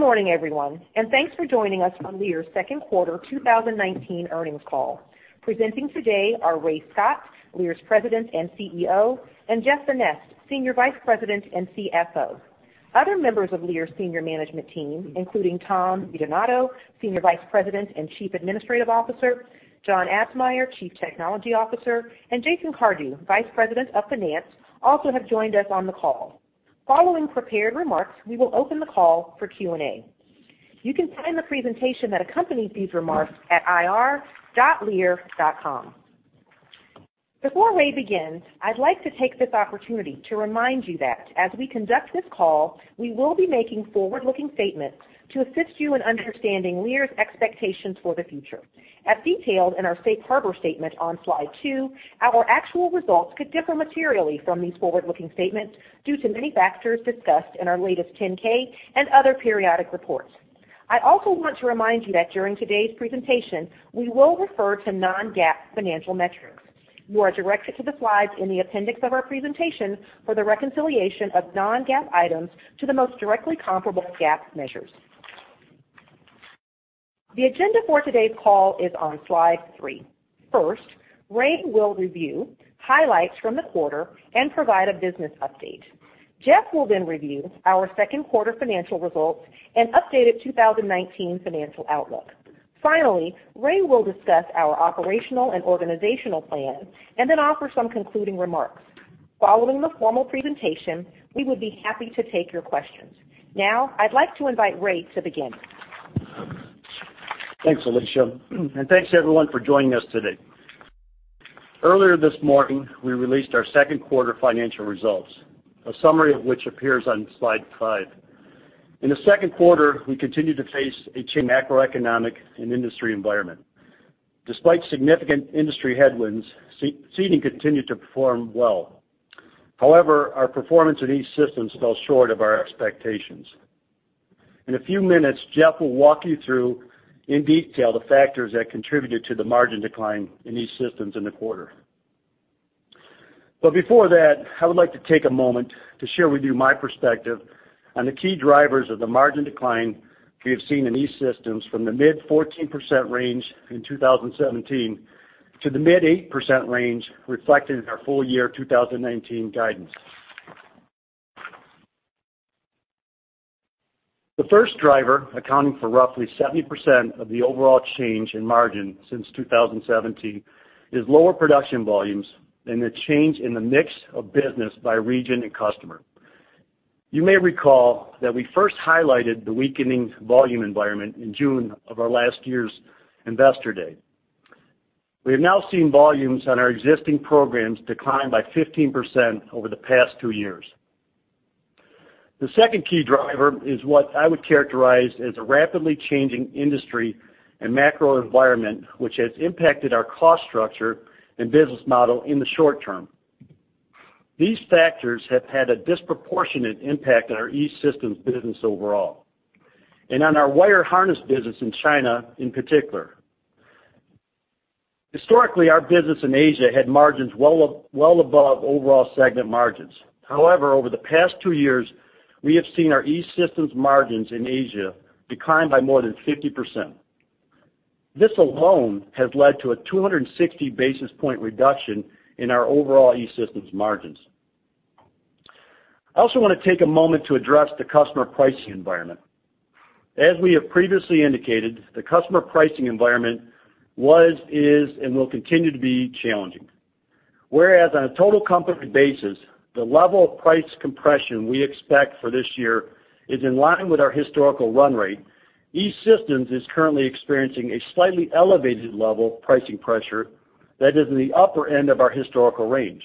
Good morning, everyone, and thanks for joining us on Lear's second quarter 2019 earnings call. Presenting today are Ray Scott, Lear's President and CEO, and Jeff Vanneste, Senior Vice President and CFO. Other members of Lear's senior management team, including Tom DiDonato, Senior Vice President and Chief Administrative Officer, John Absmeier, Chief Technology Officer, and Jason Cardew, Vice President of Finance, also have joined us on the call. Following prepared remarks, we will open the call for Q&A. You can find the presentation that accompanies these remarks at ir.lear.com. Before Ray begins, I'd like to take this opportunity to remind you that as we conduct this call, we will be making forward-looking statements to assist you in understanding Lear's expectations for the future. As detailed in our safe harbor statement on slide two, our actual results could differ materially from these forward-looking statements due to many factors discussed in our latest 10-K and other periodic reports. I also want to remind you that during today's presentation, we will refer to non-GAAP financial metrics. You are directed to the slides in the appendix of our presentation for the reconciliation of non-GAAP items to the most directly comparable GAAP measures. The agenda for today's call is on Slide three. First, Ray will review highlights from the quarter and provide a business update. Jeff will then review our second quarter financial results and updated 2019 financial outlook. Finally, Ray will discuss our operational and organizational plans and then offer some concluding remarks. Following the formal presentation, we would be happy to take your questions. Now, I'd like to invite Ray to begin. Thanks, Alicia. Thanks, everyone, for joining us today. Earlier this morning, we released our second quarter financial results, a summary of which appears on slide five. In the second quarter, we continued to face a changing macroeconomic and industry environment. Despite significant industry headwinds, seating continued to perform well. However, our performance in E-Systems fell short of our expectations. In a few minutes, Jeff will walk you through, in detail, the factors that contributed to the margin decline in E-Systems in the quarter. Before that, I would like to take a moment to share with you my perspective on the key drivers of the margin decline we have seen in E-Systems from the mid 14% range in 2017 to the mid 8% range reflected in our full year 2019 guidance. The first driver, accounting for roughly 70% of the overall change in margin since 2017, is lower production volumes and the change in the mix of business by region and customer. You may recall that we first highlighted the weakening volume environment in June of our last year's Investor Day. We have now seen volumes on our existing programs decline by 15% over the past two years. The second key driver is what I would characterize as a rapidly changing industry and macro environment, which has impacted our cost structure and business model in the short term. These factors have had a disproportionate impact on our E-Systems business overall and on our wire harness business in China in particular. Historically, our business in Asia had margins well above overall segment margins. However, over the past two years, we have seen our E-Systems margins in Asia decline by more than 50%. This alone has led to a 260-basis point reduction in our overall E-Systems margins. I also want to take a moment to address the customer pricing environment. As we have previously indicated, the customer pricing environment was, is, and will continue to be challenging. Whereas on a total company basis, the level of price compression we expect for this year is in line with our historical run rate, E-Systems is currently experiencing a slightly elevated level of pricing pressure that is in the upper end of our historical range.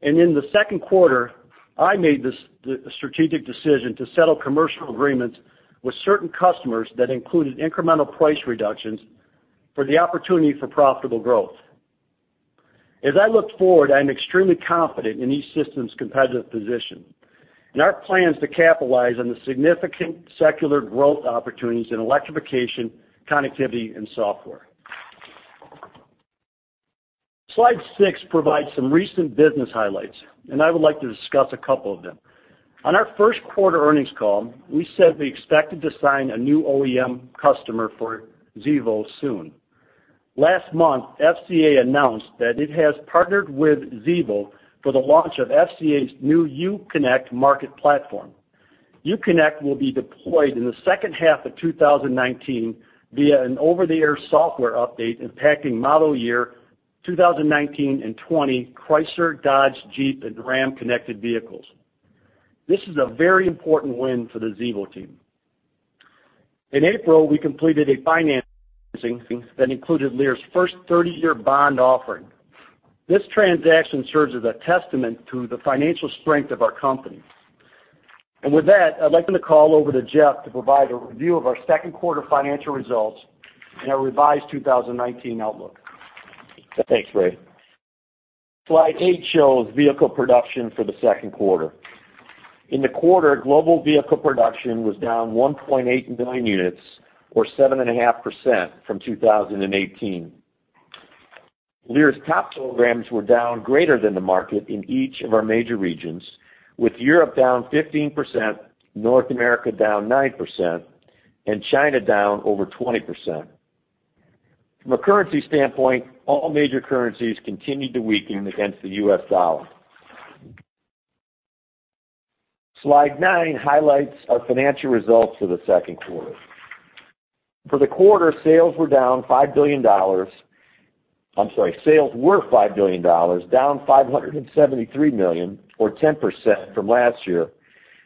In the second quarter, I made the strategic decision to settle commercial agreements with certain customers that included incremental price reductions for the opportunity for profitable growth. As I look forward, I am extremely confident in E-Systems' competitive position and our plans to capitalize on the significant secular growth opportunities in electrification, connectivity, and software. Slide six provides some recent business highlights, and I would like to discuss a couple of them. On our first quarter earnings call, we said we expected to sign a new OEM customer for Xevo soon. Last month, FCA announced that it has partnered with Xevo for the launch of FCA's new Uconnect Market platform. Uconnect will be deployed in the second half of 2019 via an over-the-air software update impacting model year 2019 and '20 Chrysler, Dodge, Jeep, and RAM connected vehicles. This is a very important win for the Xevo team. In April, we completed a financing that included Lear's first 30-year bond offering. This transaction serves as a testament to the financial strength of our company. With that, I'd like to turn the call over to Jeff to provide a review of our second quarter financial results and our revised 2019 outlook. Thanks, Ray. Slide eight shows vehicle production for the second quarter. In the quarter, global vehicle production was down 1.89 units or 7.5% from 2018. Lear's top programs were down greater than the market in each of our major regions, with Europe down 15%, North America down 9%, and China down over 20%. From a currency standpoint, all major currencies continued to weaken against the U.S. dollar. Slide nine highlights our financial results for the second quarter. For the quarter, sales were $5 billion, down $573 million or 10% from last year,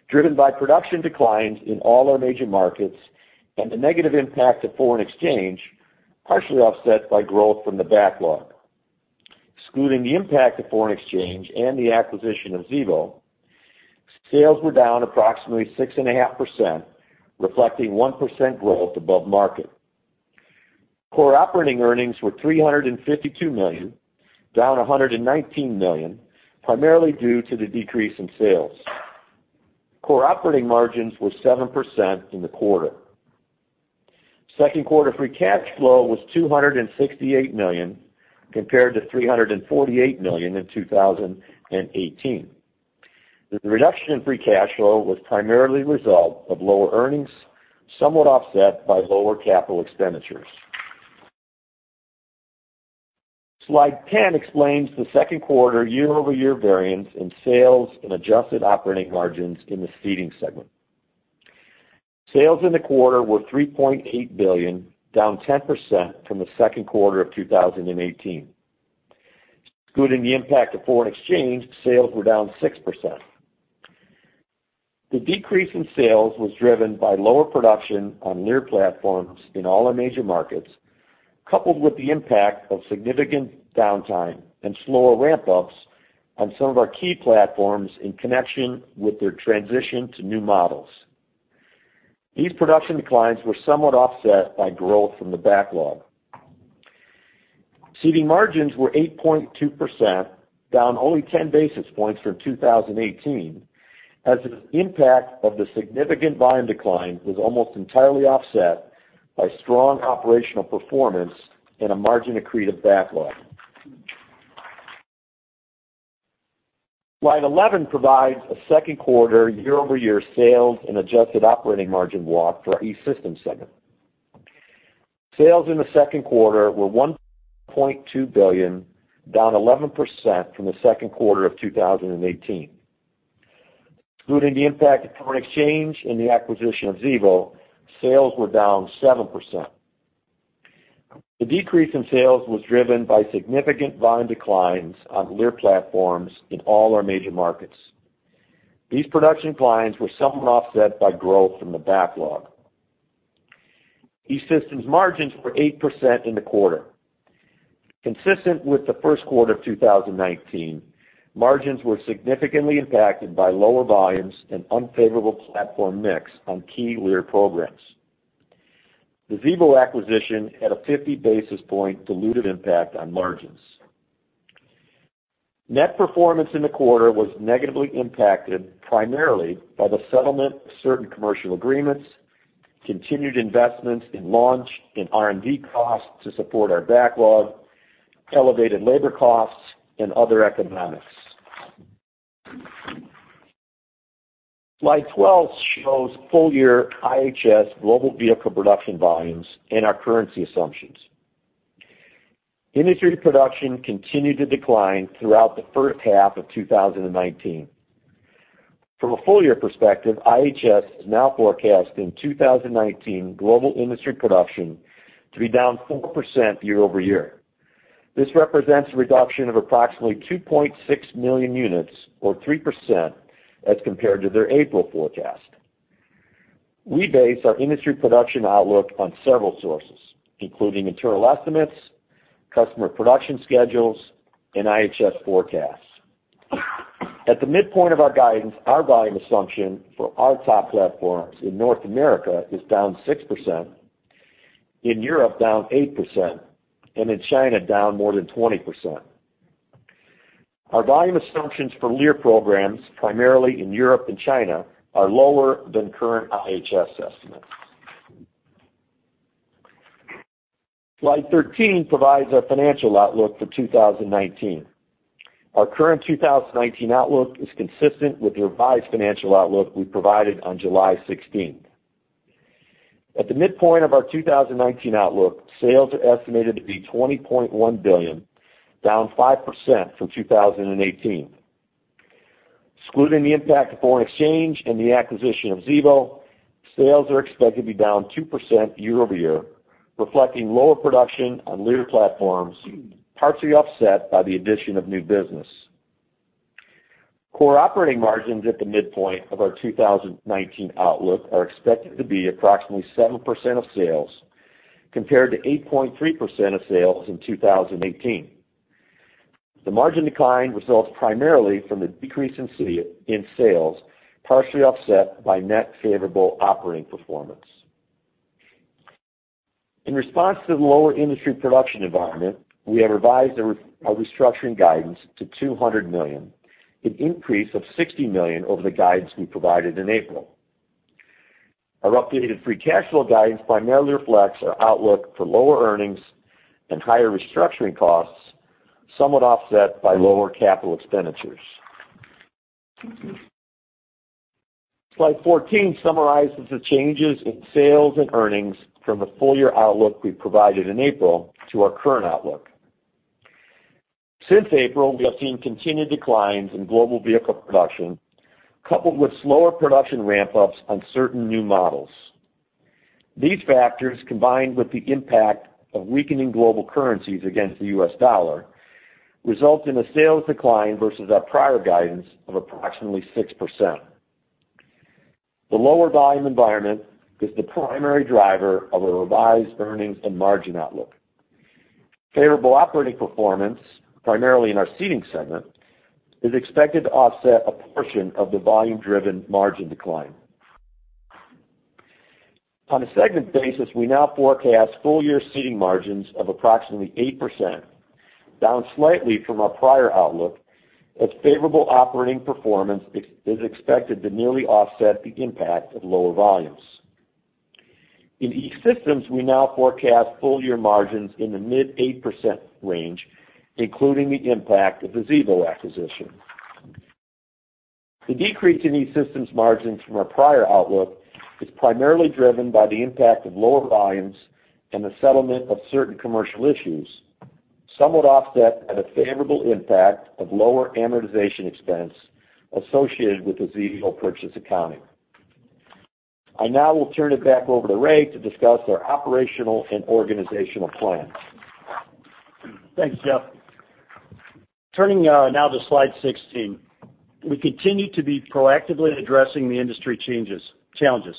driven by production declines in all our major markets and the negative impact of foreign exchange, partially offset by growth from the backlog. Excluding the impact of foreign exchange and the acquisition of Xevo, sales were down approximately 6.5%, reflecting 1% growth above market. Core operating earnings were $352 million, down $119 million, primarily due to the decrease in sales. Core operating margins were 7% in the quarter. Second quarter free cash flow was $268 million compared to $348 million in 2018. The reduction in free cash flow was primarily the result of lower earnings, somewhat offset by lower capital expenditures. Slide 10 explains the second quarter year-over-year variance in sales and adjusted operating margins in the Seating Segment. Sales in the quarter were $3.8 billion, down 10% from the second quarter of 2018. Excluding the impact of foreign exchange, sales were down 6%. The decrease in sales was driven by lower production on Lear platforms in all our major markets, coupled with the impact of significant downtime and slower ramp-ups on some of our key platforms in connection with their transition to new models. These production declines were somewhat offset by growth from the backlog. Seating margins were 8.2%, down only 10 basis points from 2018, as the impact of the significant volume decline was almost entirely offset by strong operational performance and a margin-accretive backlog. Slide 11 provides a second quarter year-over-year sales and adjusted operating margin walk for our E-Systems segment. Sales in the second quarter were $1.2 billion, down 11% from the second quarter of 2018. Excluding the impact of foreign exchange and the acquisition of Xevo, sales were down 7%. The decrease in sales was driven by significant volume declines on Lear platforms in all our major markets. These production declines were somewhat offset by growth from the backlog. E-Systems margins were 8% in the quarter. Consistent with the first quarter of 2019, margins were significantly impacted by lower volumes and unfavorable platform mix on key Lear programs. The Xevo acquisition had a 50 basis point dilutive impact on margins. Net performance in the quarter was negatively impacted primarily by the settlement of certain commercial agreements, continued investments in launch and R&D costs to support our backlog, elevated labor costs, and other economics. Slide 12 shows full-year IHS global vehicle production volumes and our currency assumptions. Industry production continued to decline throughout the first half of 2019. From a full-year perspective, IHS is now forecasting 2019 global industry production to be down 4% year-over-year. This represents a reduction of approximately 2.6 million units or 3% as compared to their April forecast. We base our industry production outlook on several sources, including internal estimates, customer production schedules, and IHS forecasts. At the midpoint of our guidance, our volume assumption for our top platforms in North America is down 6%, in Europe down 8%, and in China down more than 20%. Our volume assumptions for Lear programs, primarily in Europe and China, are lower than current IHS estimates. Slide 13 provides our financial outlook for 2019. Our current 2019 outlook is consistent with the revised financial outlook we provided on July 16th. At the midpoint of our 2019 outlook, sales are estimated to be $20.1 billion, down 5% from 2018. Excluding the impact of foreign exchange and the acquisition of Xevo, sales are expected to be down 2% year-over-year, reflecting lower production on Lear platforms, partially offset by the addition of new business. Core operating margins at the midpoint of our 2019 outlook are expected to be approximately 7% of sales, compared to 8.3% of sales in 2018. The margin decline results primarily from the decrease in sales, partially offset by net favorable operating performance. In response to the lower industry production environment, we have revised our restructuring guidance to $200 million, an increase of $60 million over the guidance we provided in April. Our updated free cash flow guidance primarily reflects our outlook for lower earnings and higher restructuring costs, somewhat offset by lower capital expenditures. Slide 14 summarizes the changes in sales and earnings from the full-year outlook we provided in April to our current outlook. Since April, we have seen continued declines in global vehicle production, coupled with slower production ramp-ups on certain new models. These factors, combined with the impact of weakening global currencies against the U.S. dollar, result in a sales decline versus our prior guidance of approximately 6%. The lower volume environment is the primary driver of a revised earnings and margin outlook. Favorable operating performance, primarily in our Seating segment, is expected to offset a portion of the volume-driven margin decline. On a segment basis, we now forecast full-year Seating margins of approximately 8%, down slightly from our prior outlook, as favorable operating performance is expected to nearly offset the impact of lower volumes. In E-Systems, we now forecast full-year margins in the mid-8% range, including the impact of the Xevo acquisition. The decrease in E-Systems margins from our prior outlook is primarily driven by the impact of lower volumes and the settlement of certain commercial issues, somewhat offset by the favorable impact of lower amortization expense associated with the Xevo purchase accounting. I now will turn it back over to Ray to discuss our operational and organizational plans. Thanks, Jeff. Turning now to slide 16. We continue to be proactively addressing the industry challenges.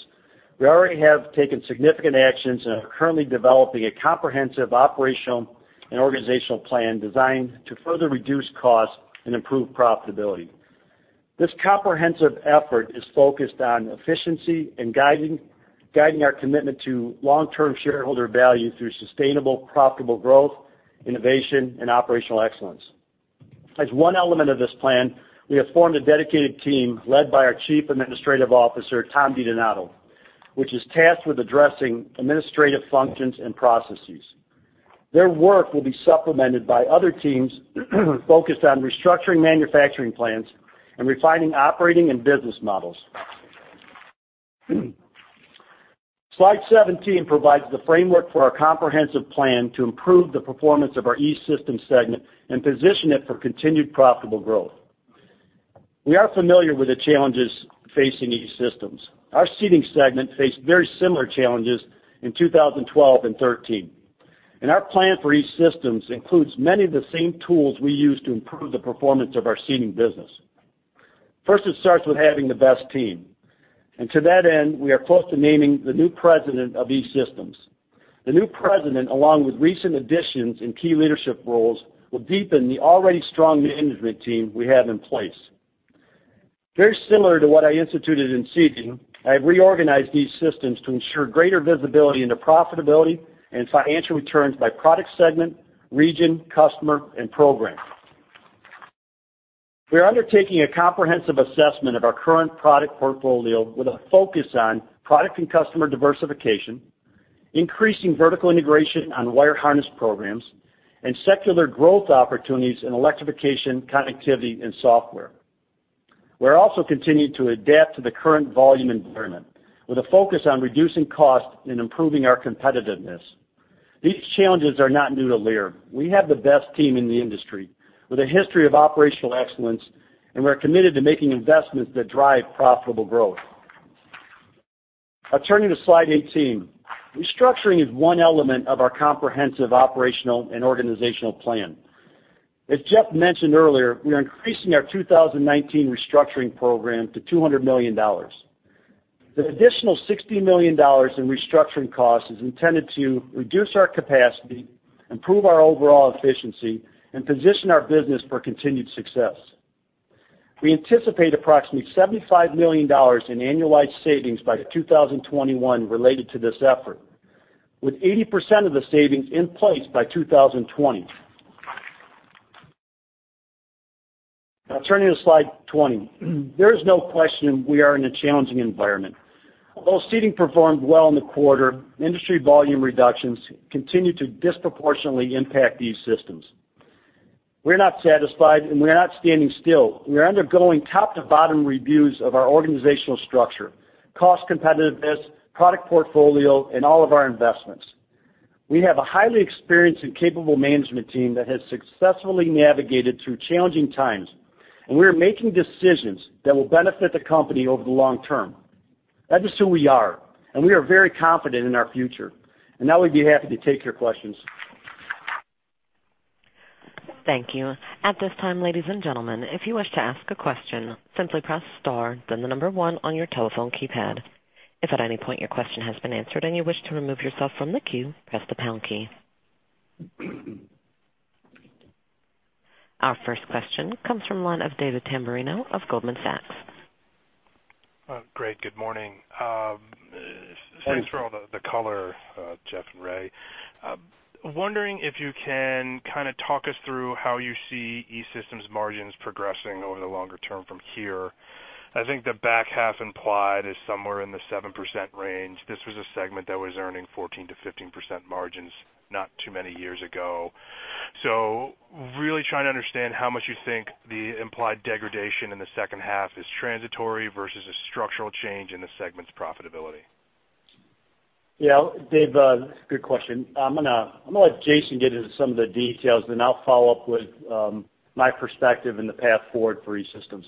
We already have taken significant actions and are currently developing a comprehensive operational and organizational plan designed to further reduce costs and improve profitability. This comprehensive effort is focused on efficiency and guiding our commitment to long-term shareholder value through sustainable, profitable growth, innovation, and operational excellence. As one element of this plan, we have formed a dedicated team led by our Chief Administrative Officer, Tom DiDonato, which is tasked with addressing administrative functions and processes. Their work will be supplemented by other teams focused on restructuring manufacturing plans and refining operating and business models. Slide 17 provides the framework for our comprehensive plan to improve the performance of our E-Systems segment and position it for continued profitable growth. We are familiar with the challenges facing E-Systems. Our Seating segment faced very similar challenges in 2012 and 2013. Our plan for E-Systems includes many of the same tools we use to improve the performance of our Seating business. First, it starts with having the best team. To that end, we are close to naming the new president of E-Systems. The new president, along with recent additions in key leadership roles, will deepen the already strong management team we have in place. Very similar to what I instituted in Seating, I've reorganized E-Systems to ensure greater visibility into profitability and financial returns by product segment, region, customer, and program. We're undertaking a comprehensive assessment of our current product portfolio with a focus on product and customer diversification, increasing vertical integration on wire harness programs, secular growth opportunities in electrification, connectivity, and software. We're also continuing to adapt to the current volume environment with a focus on reducing cost and improving our competitiveness. These challenges are not new to Lear. We have the best team in the industry with a history of operational excellence, and we're committed to making investments that drive profitable growth. I turn you to slide 18. Restructuring is one element of our comprehensive operational and organizational plan. As Jeff mentioned earlier, we are increasing our 2019 restructuring program to $200 million. The additional $60 million in restructuring costs is intended to reduce our capacity, improve our overall efficiency, and position our business for continued success. We anticipate approximately $75 million in annualized savings by 2021 related to this effort, with 80% of the savings in place by 2020. Now turning to slide 20. There is no question we are in a challenging environment. Although Seating performed well in the quarter, industry volume reductions continue to disproportionately impact E-Systems. We're not satisfied, and we're not standing still. We are undergoing top-to-bottom reviews of our organizational structure, cost competitiveness, product portfolio, and all of our investments. We have a highly experienced and capable management team that has successfully navigated through challenging times, and we are making decisions that will benefit the company over the long term. That is who we are, and we are very confident in our future. Now we'd be happy to take your questions. Thank you. At this time, ladies and gentlemen, if you wish to ask a question, simply press star, then the number one on your telephone keypad. If at any point your question has been answered and you wish to remove yourself from the queue, press the pound key. Our first question comes from the line of David Tamberrino of Goldman Sachs. Great. Good morning. Thanks. Thanks for all the color, Jeff and Ray. Wondering if you can kind of talk us through how you see E-Systems margins progressing over the longer term from here. I think the back half implied is somewhere in the 7% range. This was a segment that was earning 14%-15% margins not too many years ago. Really trying to understand how much you think the implied degradation in the second half is transitory versus a structural change in the segment's profitability. Yeah, Dave, good question. I'm going to let Jason get into some of the details then I'll follow up with my perspective in the path forward for E-Systems.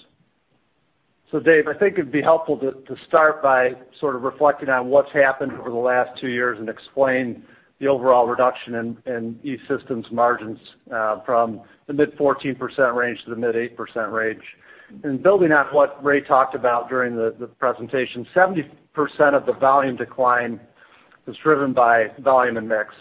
Dave, I think it'd be helpful to start by sort of reflecting on what's happened over the last two years and explain the overall reduction in E-Systems margins, from the mid 14% range to the mid 8% range. Building out what Ray talked about during the presentation, 70% of the volume decline was driven by volume and mix,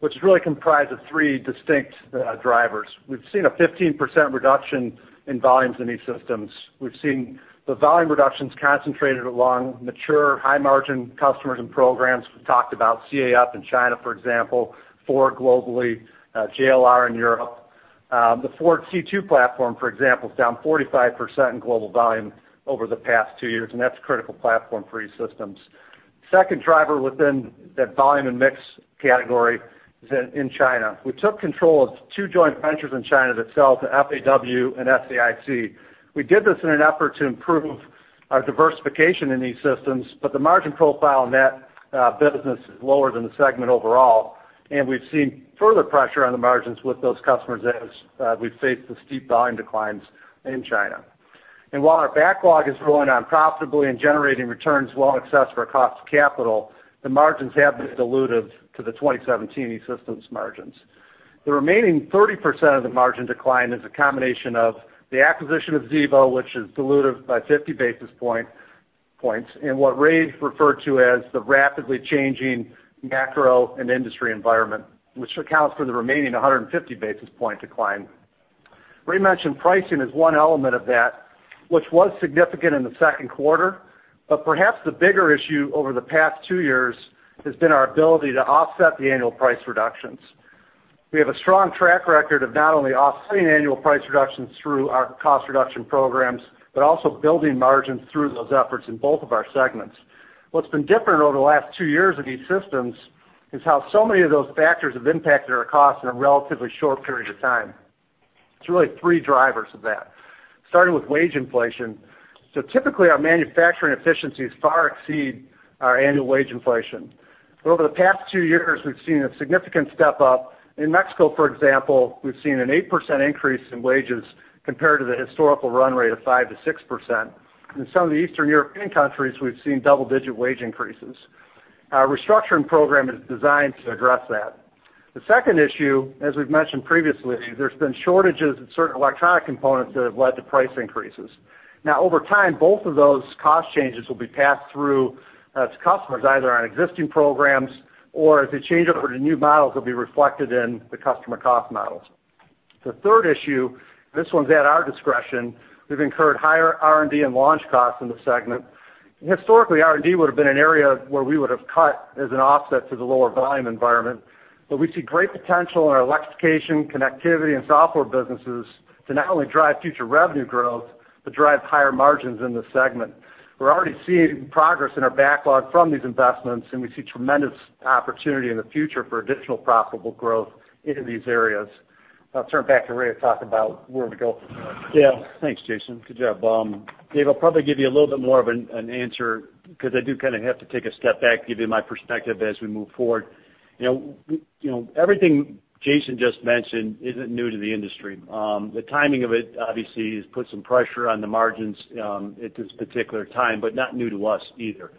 which is really comprised of three distinct drivers. We've seen a 15% reduction in volumes in E-Systems. We've seen the volume reductions concentrated along mature, high-margin customers and programs. We talked about GAC in China, for example, Ford globally, JLR in Europe. The Ford C2 platform, for example, is down 45% in global volume over the past two years, and that's a critical platform for E-Systems. Second driver within that volume and mix category is in China. We took control of two joint ventures in China that sell to FAW and SAIC. We did this in an effort to improve our diversification in E-Systems, but the margin profile in that business is lower than the segment overall, and we've seen further pressure on the margins with those customers as we've faced the steep volume declines in China. While our backlog is growing profitably and generating returns well in excess for our cost of capital, the margins have been dilutive to the 2017 E-Systems margins. The remaining 30% of the margin decline is a combination of the acquisition of Xevo, which is dilutive by 50 basis points in what Ray referred to as the rapidly changing macro and industry environment, which accounts for the remaining 150 basis point decline. Ray mentioned pricing as one element of that, which was significant in the second quarter. Perhaps the bigger issue over the past two years has been our ability to offset the annual price reductions. We have a strong track record of not only offsetting annual price reductions through our cost reduction programs, but also building margins through those efforts in both of our segments. What's been different over the last two years of E-Systems is how so many of those factors have impacted our cost in a relatively short period of time. It's really three drivers of that, starting with wage inflation. Typically, our manufacturing efficiencies far exceed our annual wage inflation. Over the past two years, we've seen a significant step up. In Mexico, for example, we've seen an 8% increase in wages compared to the historical run rate of 5%-6%. In some of the Eastern European countries, we've seen double-digit wage increases. Our restructuring program is designed to address that. The second issue, as we've mentioned previously, there's been shortages in certain electronic components that have led to price increases. Over time, both of those cost changes will be passed through to customers, either on existing programs or as a changeover to new models will be reflected in the customer cost models. The third issue, this one's at our discretion, we've incurred higher R&D and launch costs in the segment. Historically, R&D would have been an area where we would have cut as an offset to the lower volume environment. We see great potential in our electrification, connectivity, and software businesses to not only drive future revenue growth, but drive higher margins in the segment. We're already seeing progress in our backlog from these investments, and we see tremendous opportunity in the future for additional profitable growth in these areas. I'll turn back to Ray to talk about where to go from here. Thanks, Jason. Good job. Dave, I'll probably give you a little bit more of an answer because I do kind of have to take a step back, give you my perspective as we move forward. Everything Jason just mentioned isn't new to the industry. The timing of it obviously has put some pressure on the margins, at this particular time, but not new to us either.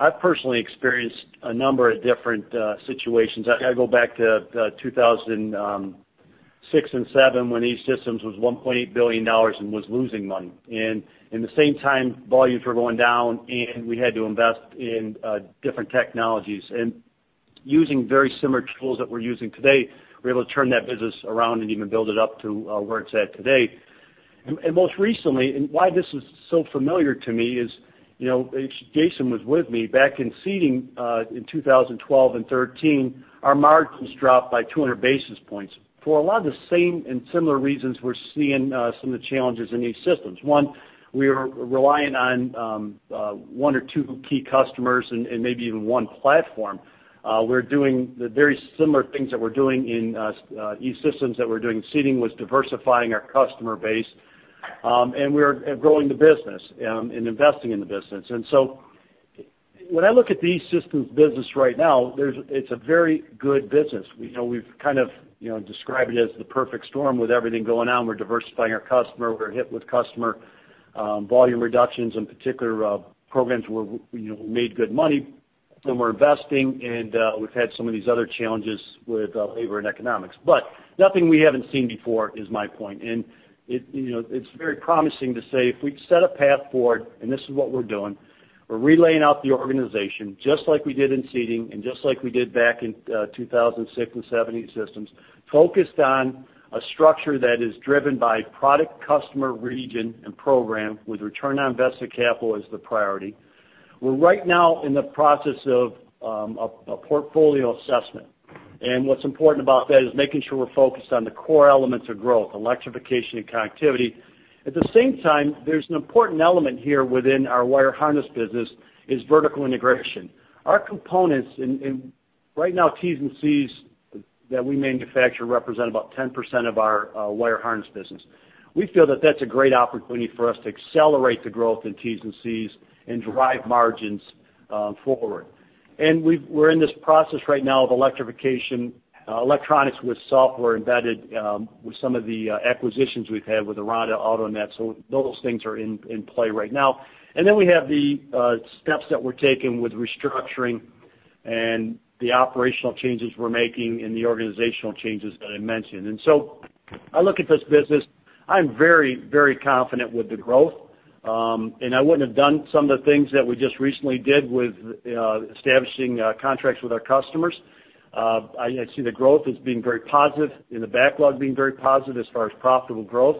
I've personally experienced a number of different situations. I go back to 2006 and 2007 when E-Systems was $1.8 billion and was losing money. In the same time, volumes were going down, and we had to invest in different technologies. Using very similar tools that we're using today, we're able to turn that business around and even build it up to where it's at today. Most recently, and why this is so familiar to me is, Jason was with me back in Seating, in 2012 and 2013, our margins dropped by 200 basis points for a lot of the same and similar reasons we're seeing some of the challenges in E-Systems. One, we are relying on one or two key customers and maybe even one platform. We're doing the very similar things that we're doing in E-Systems, that we're doing in Seating, was diversifying our customer base, and we're growing the business and investing in the business. When I look at the E-Systems business right now, it's a very good business. We've kind of described it as the perfect storm with everything going on. We're diversifying our customer. We're hit with customer volume reductions, in particular, programs where we made good money, and we're investing, and we've had some of these other challenges with labor and economics. Nothing we haven't seen before is my point. It's very promising to say if we set a path forward, and this is what we're doing, we're relaying out the organization, just like we did in Seating and just like we did back in 2006 and 2007 E-Systems, focused on a structure that is driven by product, customer, region, and program with return on invested capital as the priority. We're right now in the process of a portfolio assessment. What's important about that is making sure we're focused on the core elements of growth, electrification and connectivity. At the same time, there's an important element here within our wire harness business, is vertical integration. Our components, right now Ts and Cs that we manufacture represent about 10% of our wire harness business. We feel that that's a great opportunity for us to accelerate the growth in Ts and Cs and drive margins forward. We're in this process right now of electrification, electronics with software embedded, with some of the acquisitions we've had with Arada Autonet. Those things are in play right now. We have the steps that we're taking with restructuring and the operational changes we're making and the organizational changes that I mentioned. I look at this business, I'm very confident with the growth. I wouldn't have done some of the things that we just recently did with establishing contracts with our customers. I see the growth as being very positive and the backlog being very positive as far as profitable growth.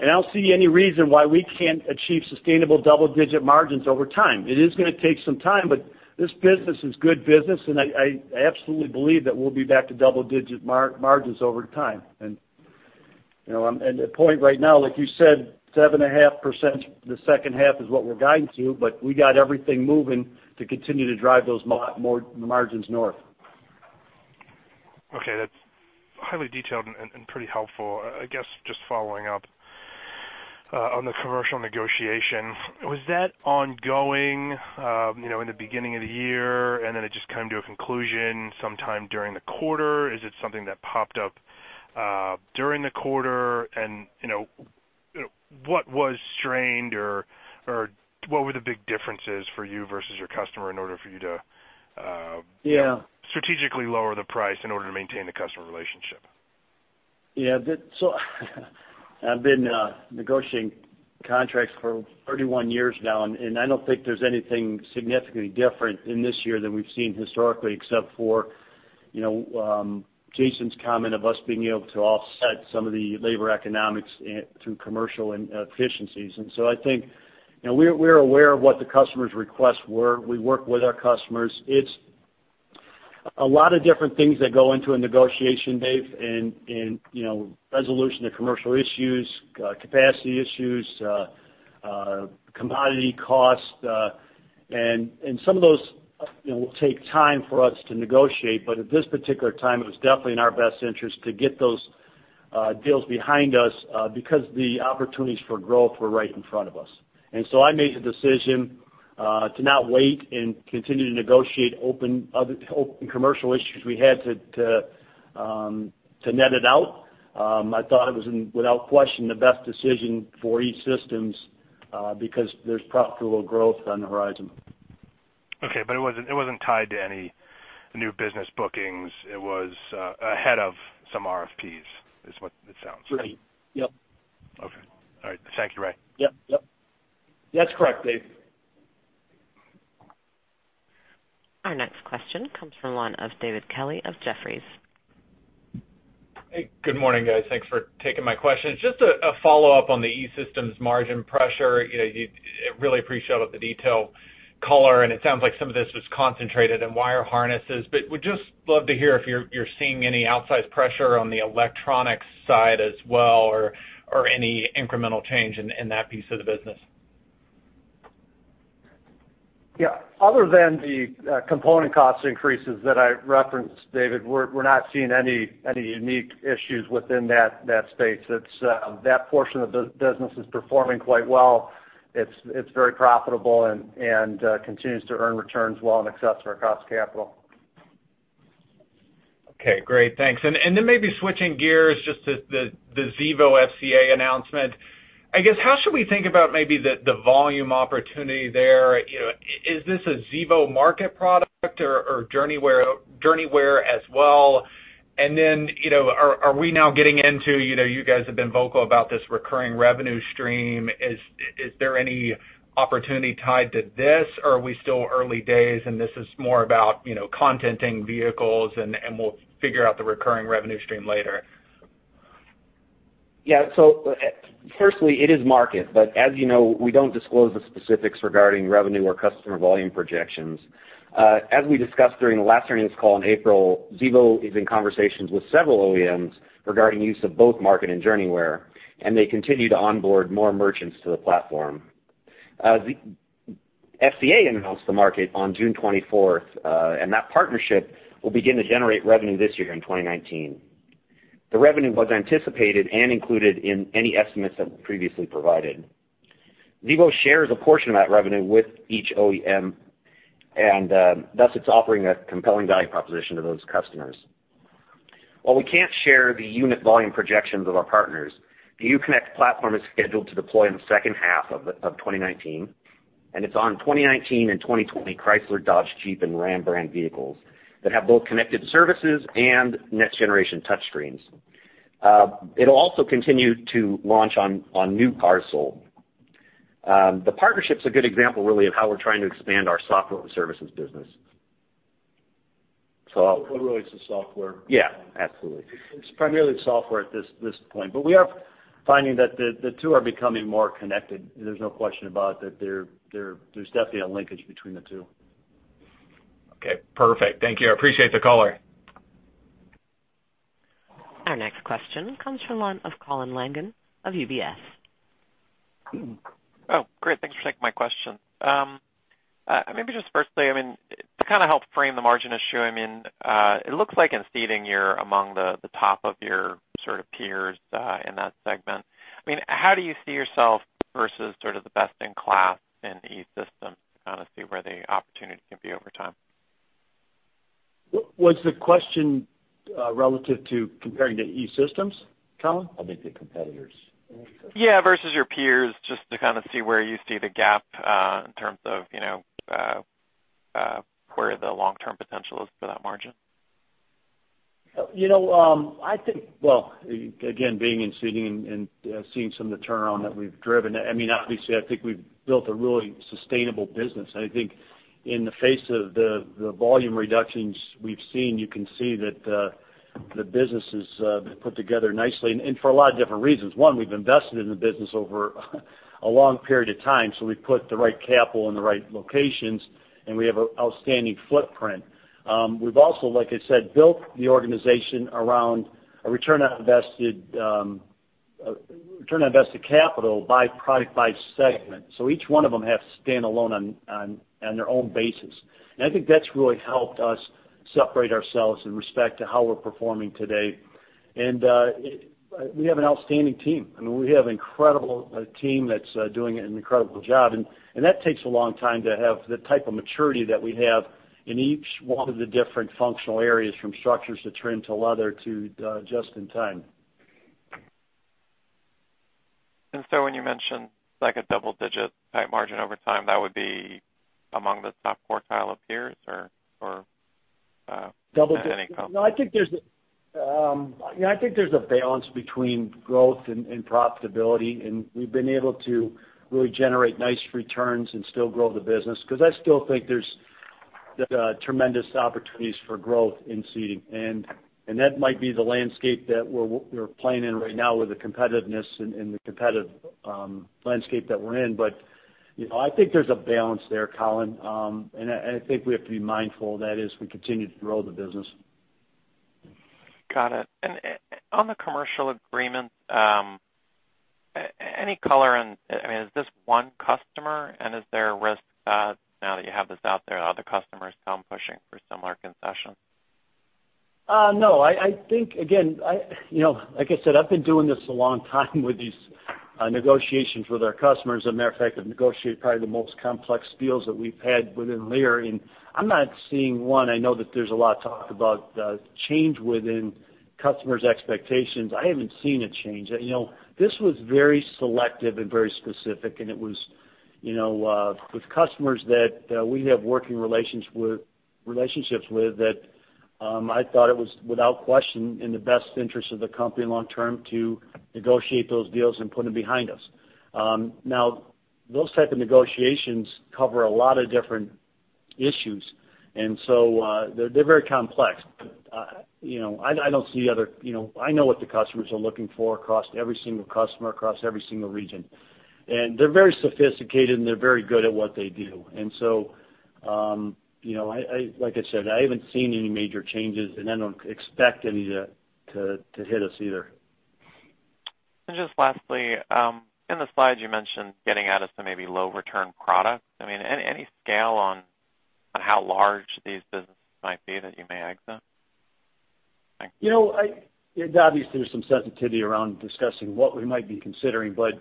I don't see any reason why we can't achieve sustainable double-digit margins over time. It is going to take some time, but this business is good business, and I absolutely believe that we'll be back to double-digit margins over time. The point right now, like you said, 7.5% the second half is what we're guiding to, but we got everything moving to continue to drive those margins north. Okay, that's highly detailed and pretty helpful. I guess just following up, on the commercial negotiation, was that ongoing in the beginning of the year and then it just came to a conclusion sometime during the quarter? Is it something that popped up during the quarter? What was strained or what were the big differences for you versus your customer? Yeah strategically lower the price in order to maintain the customer relationship? Yeah. I've been negotiating contracts for 31 years now. I don't think there's anything significantly different in this year than we've seen historically, except for Jason's comment of us being able to offset some of the labor economics through commercial and efficiencies. I think, we're aware of what the customer's requests were. We work with our customers. It's a lot of different things that go into a negotiation, Dave, resolution to commercial issues, capacity issues, commodity cost. Some of those will take time for us to negotiate. At this particular time, it was definitely in our best interest to get those deals behind us, because the opportunities for growth were right in front of us. I made the decision to not wait and continue to negotiate open commercial issues we had to net it out. I thought it was, without question, the best decision for E-Systems, because there's profitable growth on the horizon. Okay. It wasn't tied to any new business bookings. It was ahead of some RFPs, is what it sounds like. Right. Yep. Okay. All right. Thank you, Ray. Yep. That's correct, Dave. Our next question comes from the line of David Kelley of Jefferies. Hey. Good morning, guys. Thanks for taking my question. Just a follow-up on the E-Systems margin pressure. Really appreciate all the detail, color, and it sounds like some of this was concentrated in wire harnesses. Would just love to hear if you're seeing any outsized pressure on the electronics side as well, or any incremental change in that piece of the business. Other than the component cost increases that I referenced, David, we're not seeing any unique issues within that space. That portion of the business is performing quite well. It's very profitable and continues to earn returns well in excess of our cost of capital. Okay, great. Thanks. Maybe switching gears, just the Xevo FCA announcement. I guess how should we think about maybe the volume opportunity there? Is this a Xevo Market product or Journeyware as well? Are we now getting into, you guys have been vocal about this recurring revenue stream. Is there any opportunity tied to this or are we still early days and this is more about contenting vehicles and we'll figure out the recurring revenue stream later? Firstly, it is Market, but as you know, we don't disclose the specifics regarding revenue or customer volume projections. As we discussed during the last earnings call in April, Xevo is in conversations with several OEMs regarding use of both Market and Journeyware, and they continue to onboard more merchants to the platform. FCA announced the Market on June 24th, and that partnership will begin to generate revenue this year in 2019. The revenue was anticipated and included in any estimates that were previously provided. Xevo shares a portion of that revenue with each OEM, and thus it's offering a compelling value proposition to those customers. While we can't share the unit volume projections of our partners, the Uconnect platform is scheduled to deploy in the second half of 2019, and it's on 2019 and 2020 Chrysler, Dodge, Jeep, and RAM brand vehicles that have both connected services and next-generation touchscreens. It'll also continue to launch on new cars sold. The partnership's a good example, really, of how we're trying to expand our software and services business. Well, really, it's the software. Yeah, absolutely. It's primarily software at this point. We are finding that the two are becoming more connected. There's no question about that. There's definitely a linkage between the two. Okay, perfect. Thank you. I appreciate the color. Our next question comes from the line of Colin Langan of UBS. Oh, great. Thanks for taking my question. Maybe just firstly, to kind of help frame the margin issue, it looks like in seating you're among the top of your sort of peers in that segment. How do you see yourself versus sort of the best in class in E-Systems to kind of see where the opportunity can be over time? Was the question relative to comparing to E-Systems, Colin? I think the competitors. Yeah, versus your peers, just to kind of see where you see the gap in terms of where the long-term potential is for that margin. Well, again, being in seating and seeing some of the turnaround that we've driven, obviously I think we've built a really sustainable business. I think in the face of the volume reductions we've seen, you can see that the business has been put together nicely and for a lot of different reasons. One, we've invested in the business over a long period of time, so we've put the right capital in the right locations, and we have an outstanding footprint. We've also, like I said, built the organization around a return on invested capital by product, by segment. Each one of them have to stand alone on their own basis. I think that's really helped us separate ourselves in respect to how we're performing today. We have an outstanding team. We have incredible team that's doing an incredible job, and that takes a long time to have the type of maturity that we have in each one of the different functional areas, from structures to trim to leather to just in time. When you mentioned like a double-digit type margin over time, that would be among the top quartile of peers, or any comment? No, I think there's a balance between growth and profitability. We've been able to really generate nice returns and still grow the business because I still think there's tremendous opportunities for growth in seating. That might be the landscape that we're playing in right now with the competitiveness and the competitive landscape that we're in. I think there's a balance there, Colin. I think we have to be mindful of that as we continue to grow the business. Got it. On the commercial agreement, any color on, is this one customer and is there a risk that now that you have this out there, other customers come pushing for similar concessions? No. Like I said, I've been doing this a long time with these negotiations with our customers. A matter of fact, I've negotiated probably the most complex deals that we've had within Lear. I'm not seeing one. I know that there's a lot of talk about change within customers' expectations. I haven't seen a change. This was very selective and very specific. It was with customers that we have working relationships with that I thought it was, without question, in the best interest of the company long term to negotiate those deals and put them behind us. Those type of negotiations cover a lot of different issues. They're very complex. I know what the customers are looking for across every single customer, across every single region. They're very sophisticated. They're very good at what they do. Like I said, I haven't seen any major changes, and I don't expect any to hit us either. Just lastly, in the slide you mentioned getting out of some maybe low return products. Any scale on how large these businesses might be that you may exit? Thanks. Obviously, there's some sensitivity around discussing what we might be considering, but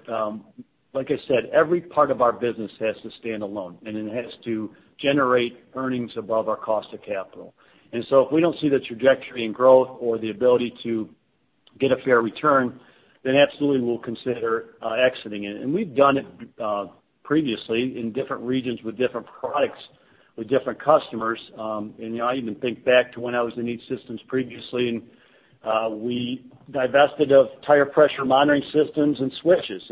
like I said, every part of our business has to stand alone, and it has to generate earnings above our cost of capital. If we don't see the trajectory in growth or the ability to get a fair return, then absolutely we'll consider exiting it. We've done it previously in different regions with different products, with different customers. I even think back to when I was in E-Systems previously, and we divested of tire pressure monitoring systems and switches.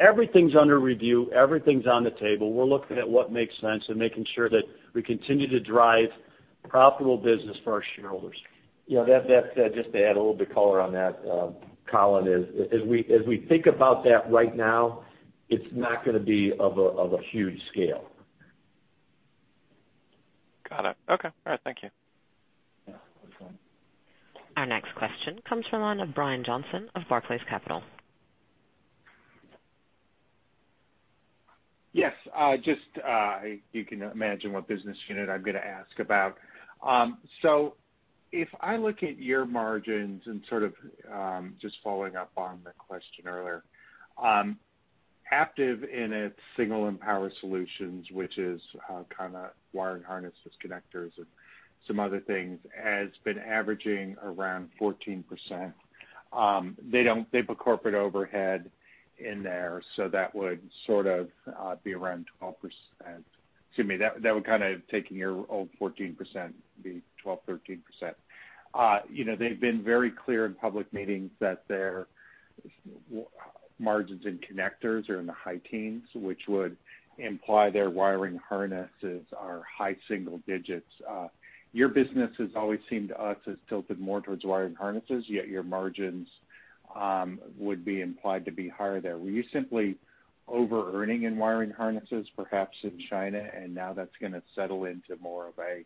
Everything's under review. Everything's on the table. We're looking at what makes sense and making sure that we continue to drive profitable business for our shareholders. Just to add a little bit color on that, Colin, is as we think about that right now, it's not going to be of a huge scale. Got it. Okay. All right, thank you. Yeah. No problem. Our next question comes from the line of Brian Johnson of Barclays Capital. Yes. You can imagine what business unit I'm going to ask about. If I look at your margins and sort of just following up on the question earlier, Aptiv in its Signal and Power Solutions, which is kind of wire and harnesses, connectors and some other things, has been averaging around 14%. They put corporate overhead in there, that would sort of be around 12%. Excuse me, that would kind of taking your old 14% be 12%-13%. They've been very clear in public meetings that their margins in connectors are in the high teens, which would imply their wiring harnesses are high single digits. Your business has always seemed to us as tilted more towards wiring harnesses, yet your margins would be implied to be higher there. Were you simply over-earning in wiring harnesses, perhaps in China, and now that's going to settle into more of a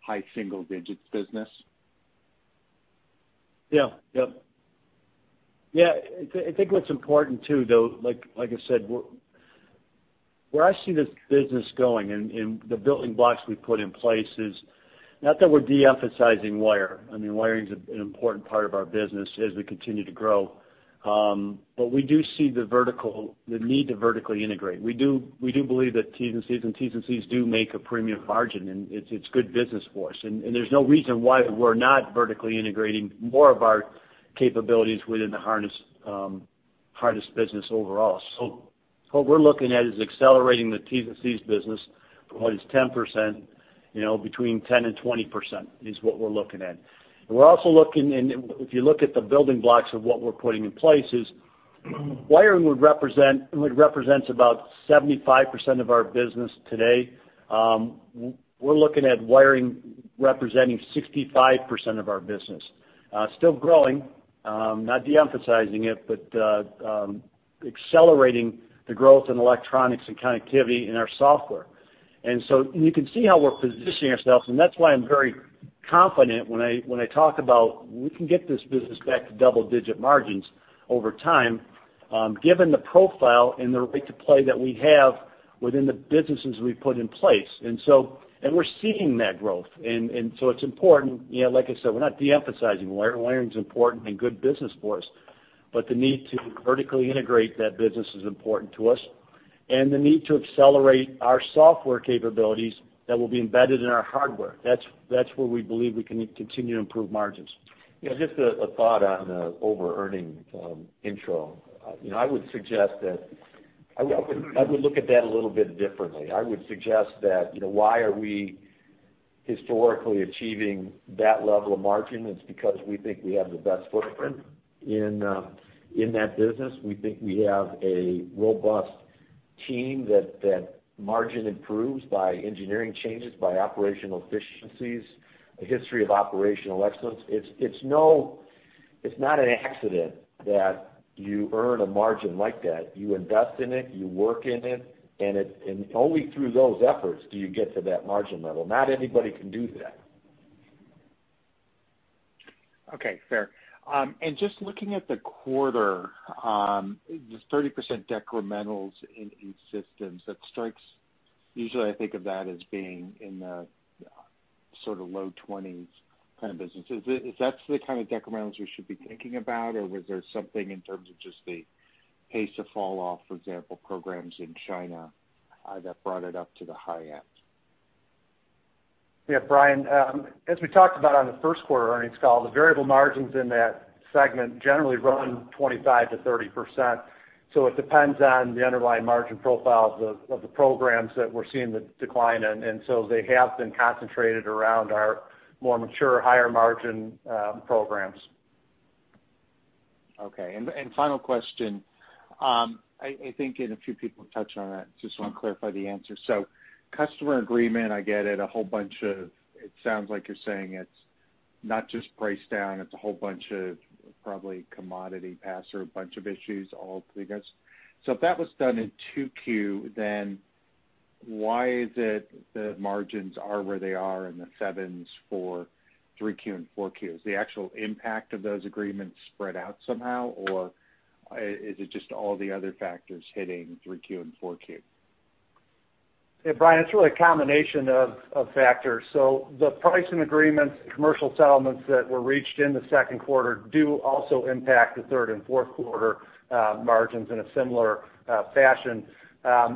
high single digits business? I think what's important, too, though, like I said, where I see this business going and the building blocks we put in place is not that we're de-emphasizing wire. Wiring is an important part of our business as we continue to grow. We do see the need to vertically integrate. We do believe that Ts and Cs and Ts and Cs do make a premium margin, and it's good business for us. There's no reason why we're not vertically integrating more of our capabilities within the harness business overall. What we're looking at is accelerating the Ts and Cs business from what is 10%, between 10% and 20% is what we're looking at. We're also looking, and if you look at the building blocks of what we're putting in place is, wiring would represent about 75% of our business today. We're looking at wiring representing 65% of our business. Still growing, not de-emphasizing it, but accelerating the growth in electronics and connectivity in our software. You can see how we're positioning ourselves, and that's why I'm very confident when I talk about we can get this business back to double-digit margins over time, given the profile and the right to play that we have within the businesses we've put in place. We're seeing that growth. It's important. Like I said, we're not de-emphasizing wiring. Wiring is important and good business for us, but the need to vertically integrate that business is important to us and the need to accelerate our software capabilities that will be embedded in our hardware. That's where we believe we can continue to improve margins. Just a thought on the over-earning intro. I would suggest that I would look at that a little bit differently. I would suggest that, why are we historically achieving that level of margin? It's because we think we have the best footprint in that business. We think we have a robust team that margin improves by engineering changes, by operational efficiencies, a history of operational excellence. It's not an accident that you earn a margin like that. You invest in it, you work in it, and only through those efforts do you get to that margin level. Not anybody can do that. Okay, fair. Just looking at the quarter, the 30% decrementals in E-Systems, usually I think of that as being in the sort of low 20s kind of business. Is that the kind of decrementals we should be thinking about? Or was there something in terms of just the pace of fall off, for example, programs in China, that brought it up to the high end? Yeah, Brian, as we talked about on the first quarter earnings call, the variable margins in that segment generally run 25%-30%. It depends on the underlying margin profiles of the programs that we're seeing the decline in. They have been concentrated around our more mature, higher margin programs. Okay, final question. I think, a few people have touched on it, just want to clarify the answer. Customer agreement, I get it. It sounds like you're saying it's not just price down, it's a whole bunch of probably commodity pass or a bunch of issues, all three of those. If that was done in 2Q, why is it the margins are where they are in the sevens for 3Q and 4Q? Is the actual impact of those agreements spread out somehow, or is it just all the other factors hitting 3Q and 4Q? Yeah, Brian, it's really a combination of factors. The pricing agreements, commercial settlements that were reached in the second quarter do also impact the third and fourth quarter margins in a similar fashion.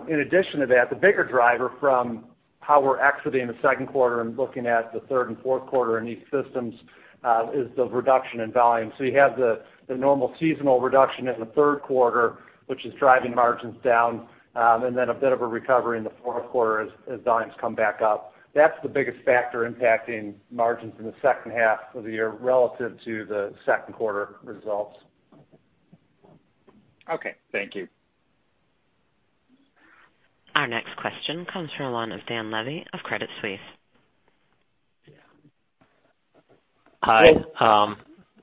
In addition to that, the bigger driver from how we're exiting the second quarter and looking at the third and fourth quarter in E-Systems, is the reduction in volume. You have the normal seasonal reduction in the third quarter, which is driving margins down, and then a bit of a recovery in the fourth quarter as volumes come back up. That's the biggest factor impacting margins in the second half of the year relative to the second quarter results. Okay. Thank you. Our next question comes from the line of Dan Levy of Credit Suisse. Hi.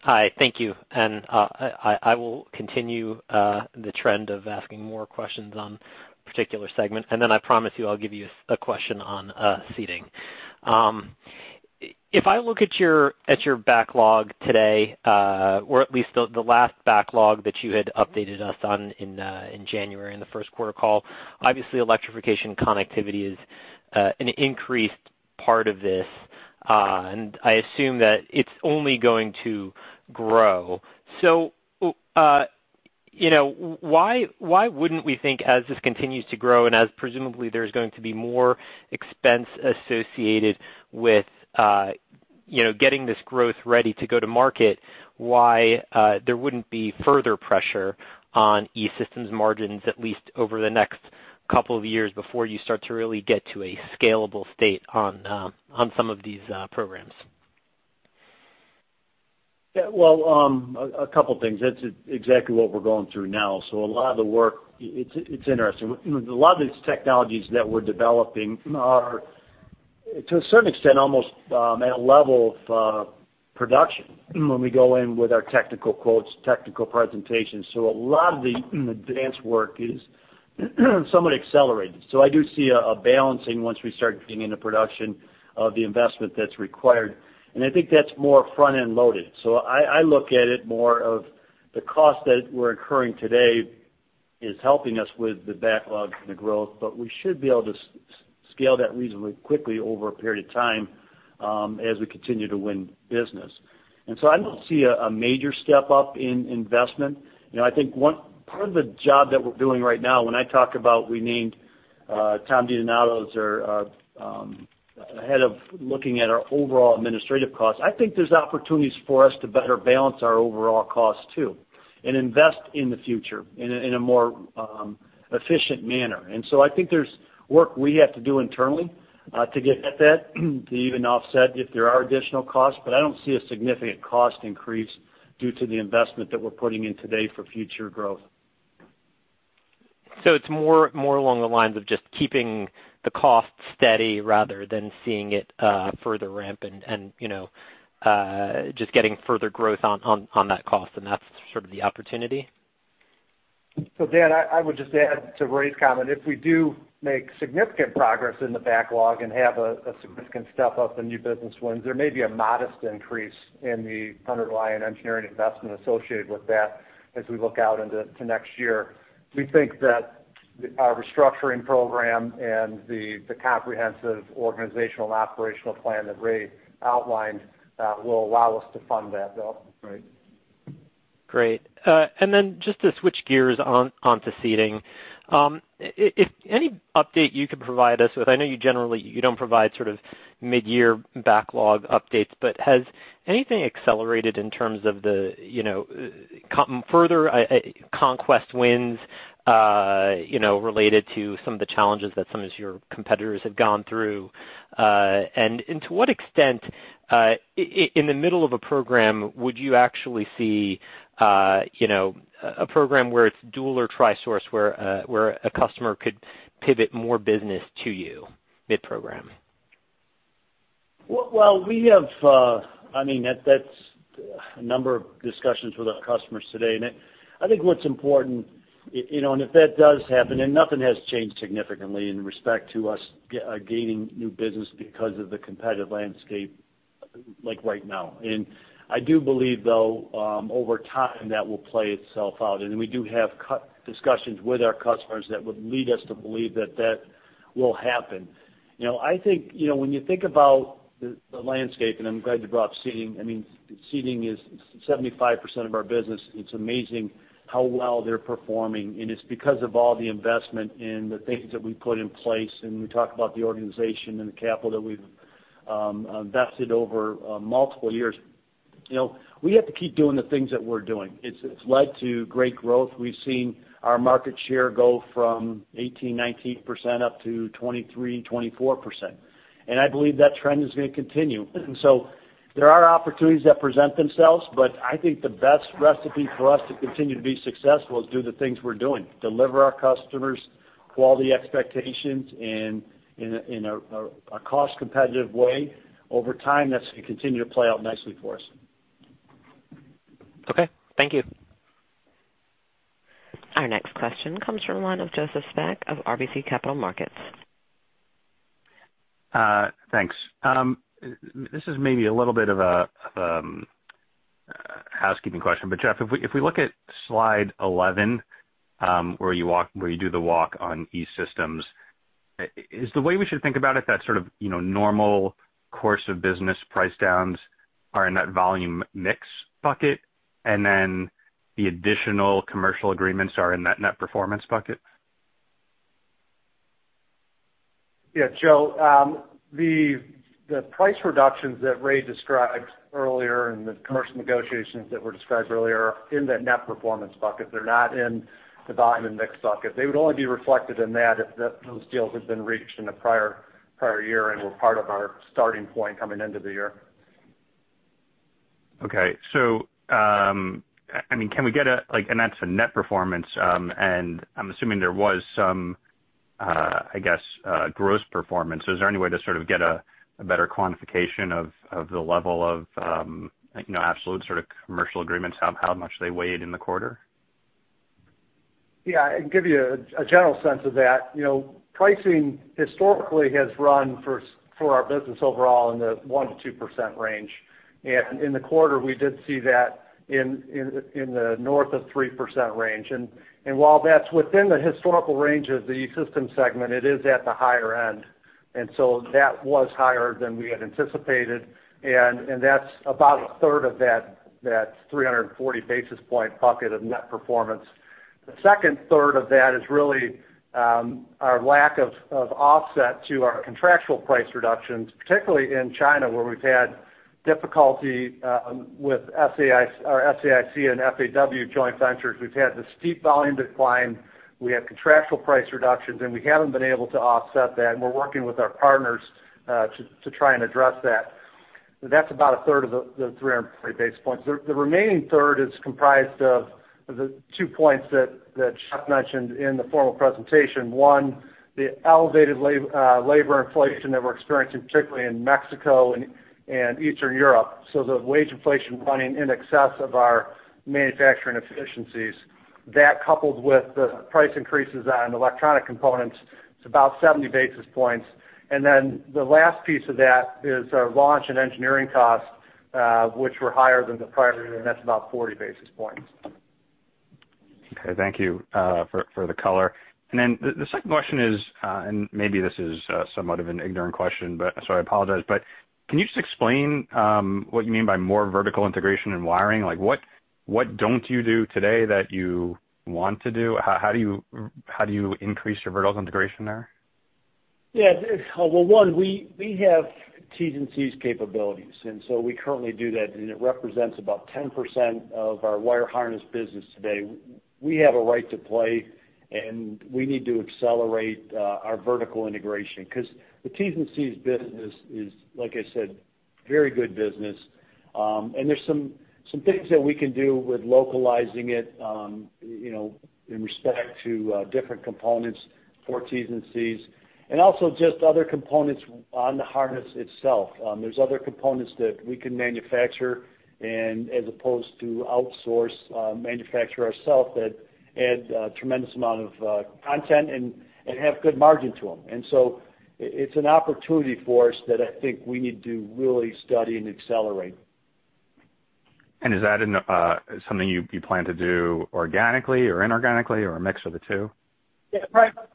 Thank you. I will continue the trend of asking more questions on a particular segment, then I promise you I'll give you a question on seating. If I look at your backlog today, or at least the last backlog that you had updated us on in January in the first quarter call, obviously electrification connectivity is an increased part of this. I assume that it's only going to grow. Why wouldn't we think as this continues to grow, and as presumably there's going to be more expense associated with getting this growth ready to go to market, why there wouldn't be further pressure on E-Systems margins, at least over the next couple of years before you start to really get to a scalable state on some of these programs? Well, a couple things. That's exactly what we're going through now. A lot of the work, it's interesting. A lot of these technologies that we're developing are, to a certain extent, almost at a level of production when we go in with our technical quotes, technical presentations. A lot of the advanced work is somewhat accelerated. I do see a balancing once we start getting into production of the investment that's required, and I think that's more front-end loaded. I look at it more of the cost that we're incurring today is helping us with the backlog and the growth, but we should be able to scale that reasonably quickly over a period of time as we continue to win business. I don't see a major step up in investment. I think part of the job that we're doing right now, when I talk about we named Tom DiDonato as our head of looking at our overall administrative costs, I think there's opportunities for us to better balance our overall cost too, and invest in the future in a more efficient manner. I think there's work we have to do internally to get at that, to even offset if there are additional costs. I don't see a significant cost increase due to the investment that we're putting in today for future growth. It's more along the lines of just keeping the cost steady rather than seeing it further ramp and just getting further growth on that cost and that's sort of the opportunity? Dan, I would just add to Ray's comment, if we do make significant progress in the backlog and have a significant step up in new business wins, there may be a modest increase in the underlying engineering investment associated with that as we look out into next year. We think that our restructuring program and the comprehensive organizational and operational plan that Ray outlined will allow us to fund that build. Right. Great. Just to switch gears onto Seating. If any update you could provide us with, I know you generally don't provide sort of mid-year backlog updates, but has anything accelerated in terms of the further conquest wins related to some of the challenges that some of your competitors have gone through? To what extent, in the middle of a program, would you actually see a program where it's dual or tri-source where a customer could pivot more business to you mid-program? Well, that's a number of discussions with our customers today. I think what's important, and if that does happen, and nothing has changed significantly in respect to us gaining new business because of the competitive landscape like right now. I do believe, though, over time, that will play itself out. We do have discussions with our customers that would lead us to believe that that will happen. I think, when you think about the landscape, and I'm glad you brought up seating is 75% of our business. It's amazing how well they're performing, and it's because of all the investment and the things that we've put in place, and we talk about the organization and the capital that we've invested over multiple years. We have to keep doing the things that we're doing. It's led to great growth. We've seen our market share go from 18%-19% up to 23%-24%. I believe that trend is going to continue. There are opportunities that present themselves, but I think the best recipe for us to continue to be successful is do the things we're doing, deliver our customers' quality expectations in a cost competitive way. Over time, that's going to continue to play out nicely for us. Okay. Thank you. Our next question comes from the line of Joseph Spak of RBC Capital Markets. Thanks. This is maybe a little bit of a housekeeping question, but Jeff, if we look at slide 11, where you do the walk on E-Systems, is the way we should think about it that sort of normal course of business price downs are in that volume mix bucket, and then the additional commercial agreements are in that net performance bucket? Yeah, Joe. The price reductions that Ray described earlier and the commercial negotiations that were described earlier are in the net performance bucket. They're not in the volume and mix bucket. They would only be reflected in that if those deals had been reached in the prior year and were part of our starting point coming into the year. Okay. That's a net performance, I'm assuming there was some, I guess, gross performance. Is there any way to sort of get a better quantification of the level of absolute sort of commercial agreements, how much they weighed in the quarter? Yeah. I can give you a general sense of that. Pricing historically has run for our business overall in the 1%-2% range. In the quarter, we did see that in the north of 3% range. While that's within the historical range of the E-Systems segment, it is at the higher end. That was higher than we had anticipated, and that's about a third of that 340 basis point bucket of net performance. The second third of that is really our lack of offset to our contractual price reductions, particularly in China, where we've had difficulty with our SAIC and FAW joint ventures. We've had the steep volume decline, we have contractual price reductions, and we haven't been able to offset that, and we're working with our partners to try and address that. That's about a third of the 300 basis points. The remaining third is comprised of the two points that Jeff mentioned in the formal presentation. One, the elevated labor inflation that we're experiencing, particularly in Mexico and Eastern Europe. The wage inflation running in excess of our manufacturing efficiencies. That, coupled with the price increases on electronic components, it's about 70 basis points. The last piece of that is our launch and engineering costs, which were higher than the prior year, and that's about 40 basis points. Okay, thank you for the color. The second question is, maybe this is somewhat of an ignorant question, I apologize, can you just explain what you mean by more vertical integration in wiring? What don't you do today that you want to do? How do you increase your vertical integration there? Yeah. Well, one, we have Ts and Cs capabilities, and so we currently do that, and it represents about 10% of our wire harness business today. We have a right to play, and we need to accelerate our vertical integration because the Ts and Cs business is, like I said, very good business. There's some things that we can do with localizing it in respect to different components for Ts and Cs, and also just other components on the harness itself. There's other components that we can manufacture and as opposed to outsource, manufacture ourself that add a tremendous amount of content and have good margin to them. It's an opportunity for us that I think we need to really study and accelerate. Is that something you plan to do organically or inorganically or a mix of the two?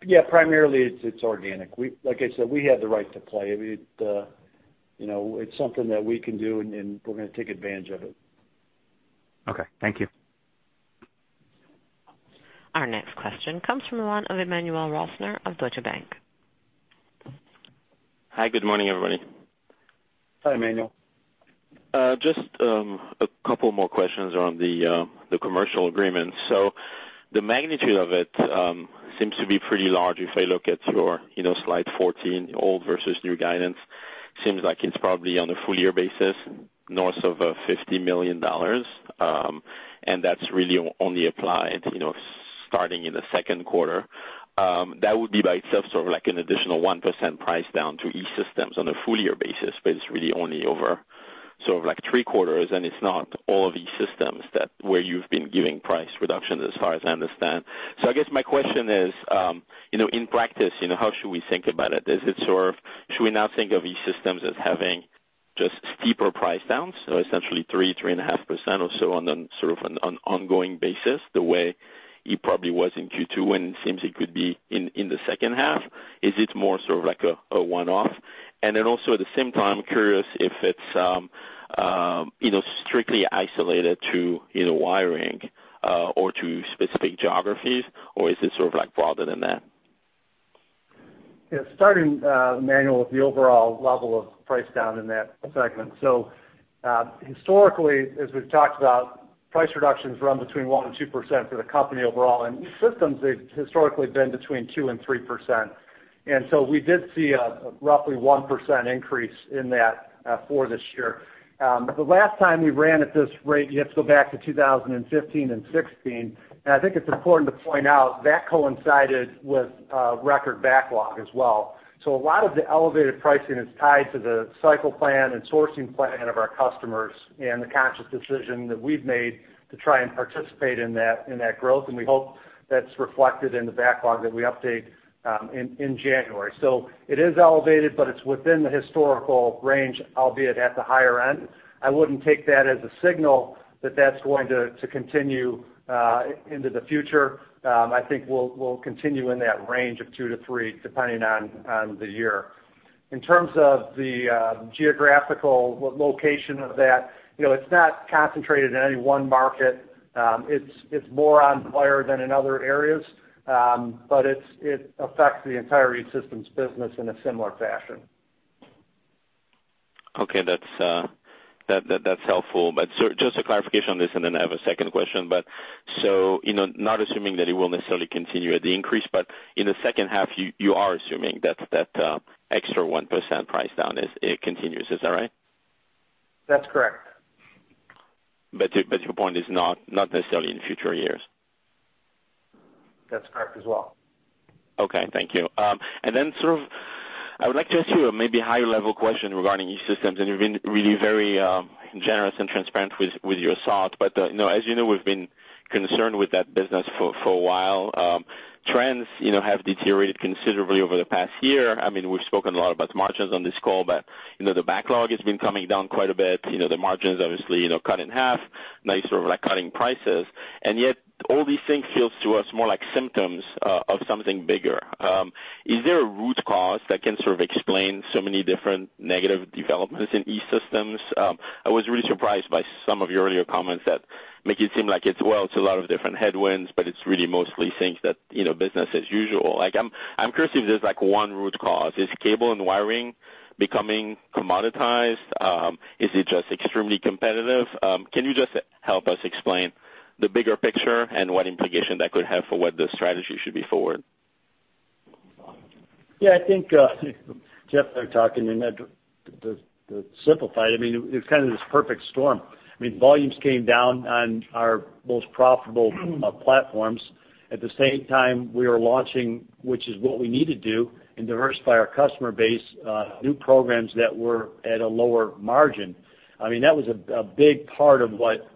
Yeah, primarily, it's organic. Like I said, we have the right to play. It's something that we can do. We're going to take advantage of it. Okay, thank you. Our next question comes from the line of Emmanuel Rosner of Deutsche Bank. Hi, good morning, everybody. Hi, Emmanuel. Just a couple more questions around the commercial agreement. The magnitude of it seems to be pretty large. If I look at your Slide 14, old versus new guidance, seems like it's probably on a full year basis, north of $50 million, and that's really only applied starting in the second quarter. That would be by itself sort of like an additional 1% price down to E-Systems on a full year basis, but it's really only over sort of three quarters, and it's not all of E-Systems where you've been giving price reductions as far as I understand. I guess my question is, in practice, how should we think about it? Should we now think of E-Systems as having just steeper price downs, so essentially 3%, 3.5% or so on sort of an ongoing basis, the way it probably was in Q2, and it seems it could be in the second half? Is it more sort of like a one-off? Also at the same time, I'm curious if it's strictly isolated to wiring or to specific geographies, or is it sort of broader than that? Starting, Emmanuel, with the overall level of price down in that segment. Historically, as we've talked about, price reductions run between 1%-2% for the company overall, and E-Systems, they've historically been between 2%-3%. We did see a roughly 1% increase in that for this year. The last time we ran at this rate, you have to go back to 2015 and 2016, and I think it's important to point out that coincided with record backlog as well. A lot of the elevated pricing is tied to the cycle plan and sourcing plan of our customers and the conscious decision that we've made to try and participate in that growth, and we hope that's reflected in the backlog that we update in January. It is elevated, but it's within the historical range, albeit at the higher end. I wouldn't take that as a signal that that's going to continue into the future. I think we'll continue in that range of 2%-3% depending on the year. In terms of the geographical location of that, it's not concentrated in any one market. It's more on wire than in other areas, but it affects the entire E-Systems business in a similar fashion. Okay. That's helpful. Just a clarification on this, and then I have a second question, not assuming that it will necessarily continue at the increase, but in the second half, you are assuming that extra 1% price down it continues. Is that right? That's correct. Your point is not necessarily in future years. That's correct as well. Okay, thank you. Sort of I would like to ask you a maybe higher level question regarding E-Systems, and you've been really very generous and transparent with your thoughts, but as you know, we've been concerned with that business for a while. Trends have deteriorated considerably over the past year. We've spoken a lot about margins on this call, but the backlog has been coming down quite a bit. The margins obviously cut in half, and now you're sort of cutting prices, and yet all these things feel to us more like symptoms of something bigger. Is there a root cause that can sort of explain so many different negative developments in E-Systems? I was really surprised by some of your earlier comments that make it seem like it's, well, it's a lot of different headwinds, but it's really mostly things that business as usual. I'm curious if there's one root cause. Is cable and wiring becoming commoditized? Is it just extremely competitive? Can you just help us explain the bigger picture and what implication that could have for what the strategy should be forward? I think Jeff there talking, and to simplify it was kind of this perfect storm. Volumes came down on our most profitable platforms. At the same time, we were launching, which is what we need to do, and diversify our customer base, new programs that were at a lower margin. That was a big part of what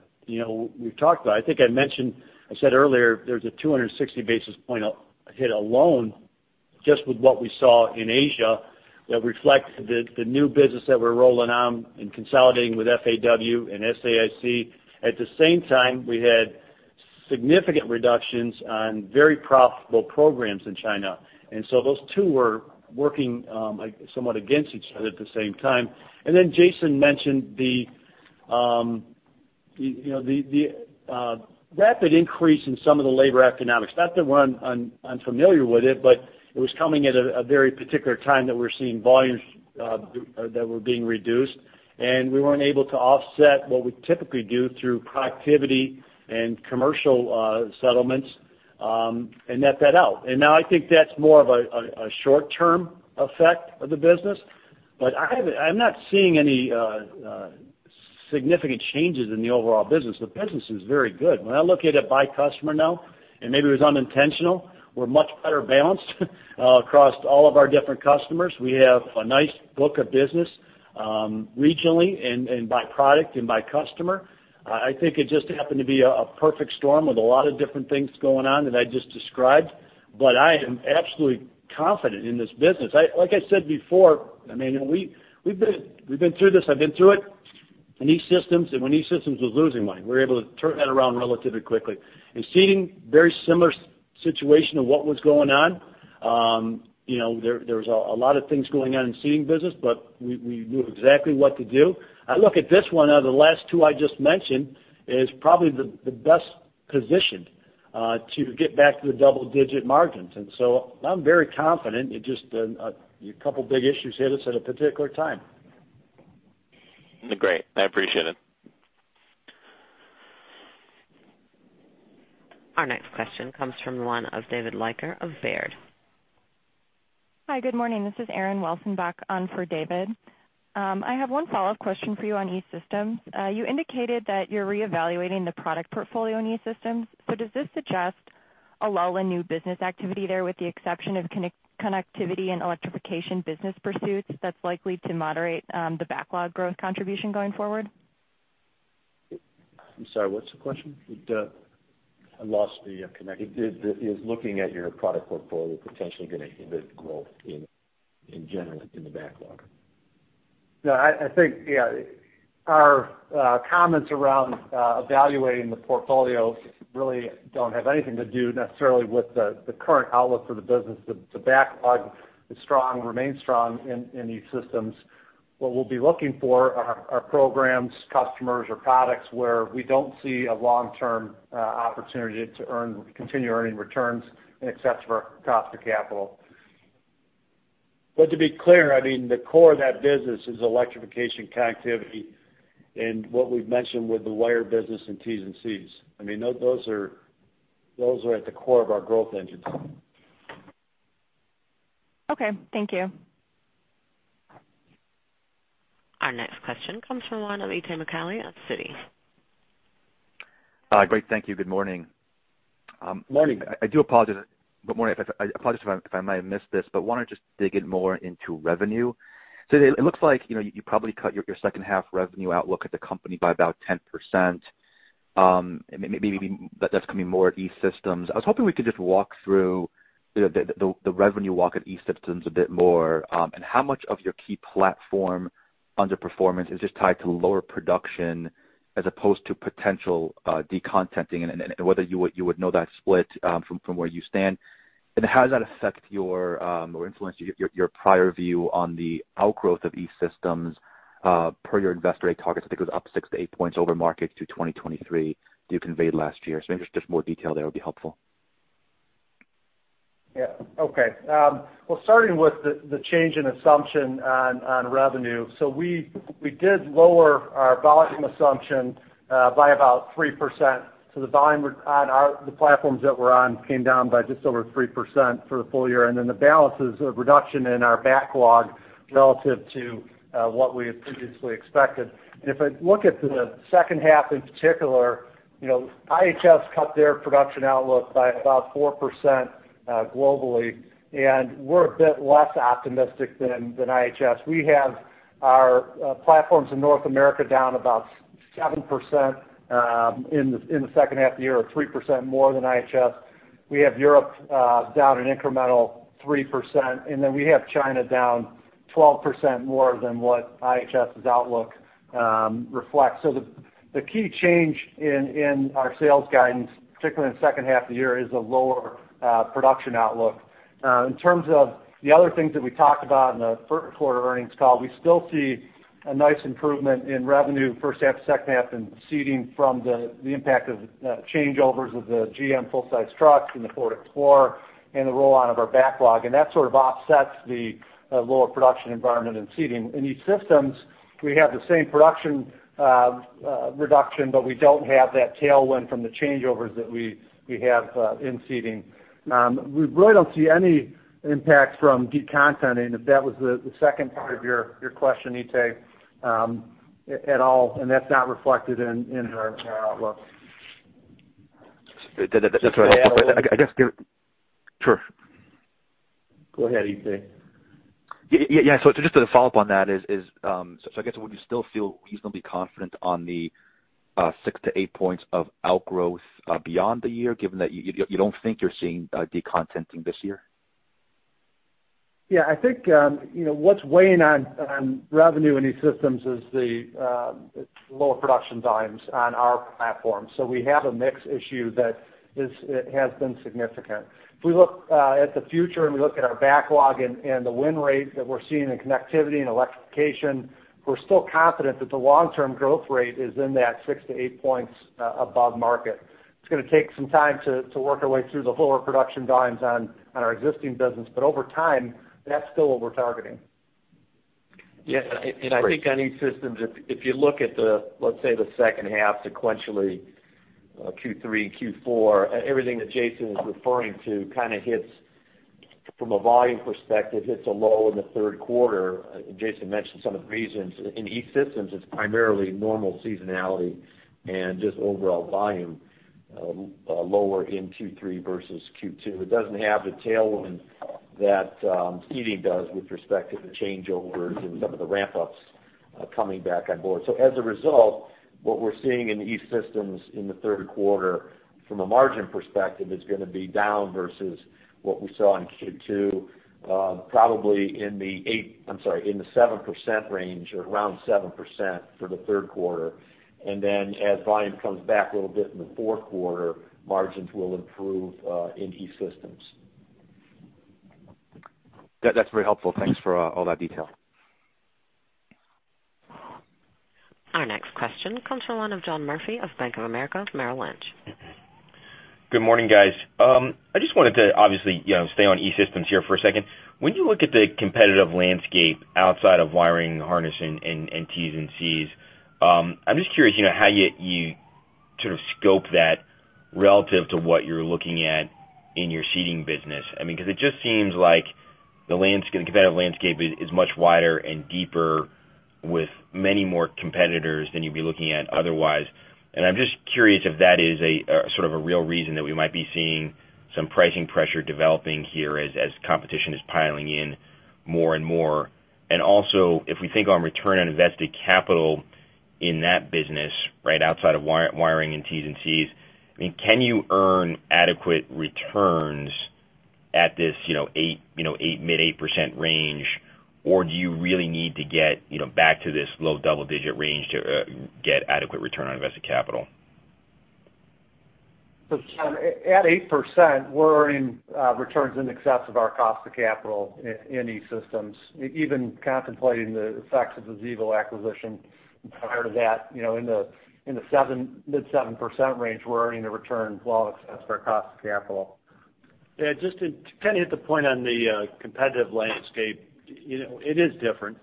we've talked about. I think I mentioned, I said earlier, there's a 260 basis point hit alone just with what we saw in Asia that reflect the new business that we're rolling on and consolidating with FAW and SAIC. At the same time, we had significant reductions on very profitable programs in China. Those two were working somewhat against each other at the same time. Then Jason mentioned the rapid increase in some of the labor economics. Not that we're unfamiliar with it, but it was coming at a very particular time that we're seeing volumes that were being reduced, and we weren't able to offset what we typically do through productivity and commercial settlements and net that out. Now I think that's more of a short-term effect of the business. I'm not seeing any significant changes in the overall business. The business is very good. When I look at it by customer now, and maybe it was unintentional, we're much better balanced across all of our different customers. We have a nice book of business regionally and by product and by customer. I think it just happened to be a perfect storm with a lot of different things going on that I just described. I am absolutely confident in this business. Like I said before, we've been through this. I've been through it in E-Systems, and when E-Systems was losing money, we were able to turn that around relatively quickly. In Seating, very similar situation of what was going on. There was a lot of things going on in Seating business, but we knew exactly what to do. I look at this one out of the last two I just mentioned, is probably the best positioned to get back to the double-digit margins. I'm very confident. It's just a couple big issues hit us at a particular time. Great. I appreciate it. Our next question comes from the line of David Leiker of Baird. Hi, good morning. This is Erin Wilson back on for David. I have one follow-up question for you on E-Systems. You indicated that you're reevaluating the product portfolio in E-Systems. Does this suggest a lull in new business activity there with the exception of connectivity and electrification business pursuits that's likely to moderate the backlog growth contribution going forward? I'm sorry, what's the question? I lost the connection. Is looking at your product portfolio potentially going to inhibit growth in general in the backlog? No, I think, our comments around evaluating the portfolio really don't have anything to do necessarily with the current outlook for the business. The backlog is strong, remains strong in E-Systems. What we'll be looking for are programs, customers, or products where we don't see a long-term opportunity to continue earning returns in excess of our cost of capital. To be clear, the core of that business is electrification, connectivity, and what we've mentioned with the wire business and Ts and Cs. Those are at the core of our growth engines. Okay. Thank you. Our next question comes from the line of Itay Michaeli at Citi. Great, thank you. Good morning. Morning. I do apologize. Good morning. I apologize if I might have missed this, but want to just dig in more into revenue. It looks like you probably cut your second half revenue outlook at the company by about 10%. Maybe that's coming more at E-Systems. I was hoping we could just walk through the revenue walk at E-Systems a bit more, and how much of your key platform underperformance is just tied to lower production as opposed to potential decontenting, and whether you would know that split from where you stand. How does that affect or influence your prior view on the outgrowth of E-Systems per your Investor Day targets? I think it was up six-eight points over market to 2023 you conveyed last year. Maybe just more detail there would be helpful. Yeah. Okay. Well, starting with the change in assumption on revenue. We did lower our volume assumption by about 3%. The volume on the platforms that we're on came down by just over 3% for the full year, the balance is a reduction in our backlog relative to what we had previously expected. If I look at the second half in particular, IHS cut their production outlook by about 4% globally, and we're a bit less optimistic than IHS. We have our platforms in North America down about 7% in the second half of the year, or 3% more than IHS. We have Europe down an incremental 3%, we have China down 12% more than what IHS's outlook reflects. The key change in our sales guidance, particularly in the second half of the year, is a lower production outlook. In terms of the other things that we talked about in the first quarter earnings call, we still see a nice improvement in revenue first half, second half in Seating from the impact of changeovers of the GM full-size trucks and the Ford Explorer and the rollout of our backlog. That sort of offsets the lower production environment in Seating. In E-Systems, we have the same production reduction, but we don't have that tailwind from the changeovers that we have in Seating. We really don't see any impact from decontenting, if that was the second part of your question, Itay, at all. That's not reflected in our outlook. That's what I- Just to add- I guess, sure. Go ahead, Itay. Yeah. Just to follow up on that is, I guess, would you still feel reasonably confident on the six-eight points of outgrowth beyond the year, given that you don't think you're seeing decontenting this year? Yeah. I think what's weighing on revenue in E-Systems is the lower production volumes on our platform. We have a mix issue that has been significant. If we look at the future and we look at our backlog and the win rate that we're seeing in connectivity and electrification, we're still confident that the long-term growth rate is in that six to eight points above market. It's going to take some time to work our way through the lower production volumes on our existing business. Over time, that's still what we're targeting. Yeah. I think on E-Systems, if you look at, let's say, the second half sequentially, Q3 and Q4, everything that Jason is referring to, from a volume perspective, hits a low in the third quarter. Jason mentioned some of the reasons. In E-Systems, it's primarily normal seasonality and just overall volume, lower in Q3 versus Q2. It doesn't have the tailwind that Seating does with respect to the changeovers and some of the ramp-ups coming back on board. As a result, what we're seeing in E-Systems in the third quarter from a margin perspective is going to be down versus what we saw in Q2, probably in the 7% range or around 7% for the third quarter. Then as volume comes back a little bit in the fourth quarter, margins will improve in E-Systems. That's very helpful. Thanks for all that detail. Our next question comes from the line of John Murphy of Bank of America Merrill Lynch. Good morning, guys. I just wanted to obviously stay on E-Systems here for a second. When you look at the competitive landscape outside of wiring harness and Ts and Cs, I'm just curious how you sort of scope that relative to what you're looking at in your Seating business. It just seems like the competitive landscape is much wider and deeper with many more competitors than you'd be looking at otherwise. I'm just curious if that is a sort of a real reason that we might be seeing some pricing pressure developing here as competition is piling in more and more. Also, if we think on return on invested capital in that business, right outside of wiring and Ts and Cs, can you earn adequate returns at this mid 8% range, or do you really need to get back to this low double-digit range to get adequate return on invested capital? John, at 8%, we're earning returns in excess of our cost of capital in E-Systems, even contemplating the effects of the Xevo acquisition prior to that. In the mid 7% range, we're earning a return well in excess of our cost of capital. Yeah, just to kind of hit the point on the competitive landscape. It is different.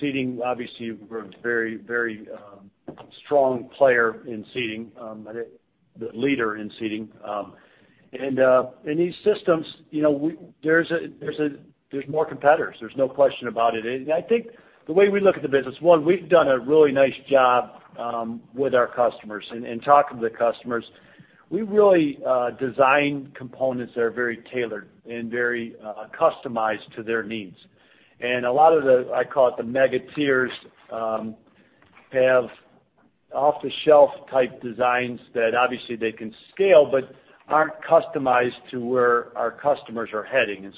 Seating, obviously, we're a very strong player in Seating, the leader in Seating. In E-Systems, there's more competitors. There's no question about it. I think the way we look at the business, one, we've done a really nice job with our customers and talking to the customers. We really design components that are very tailored and very customized to their needs. A lot of the, I call it the mega tiers, have off-the-shelf type designs that obviously they can scale but aren't customized to where our customers are heading.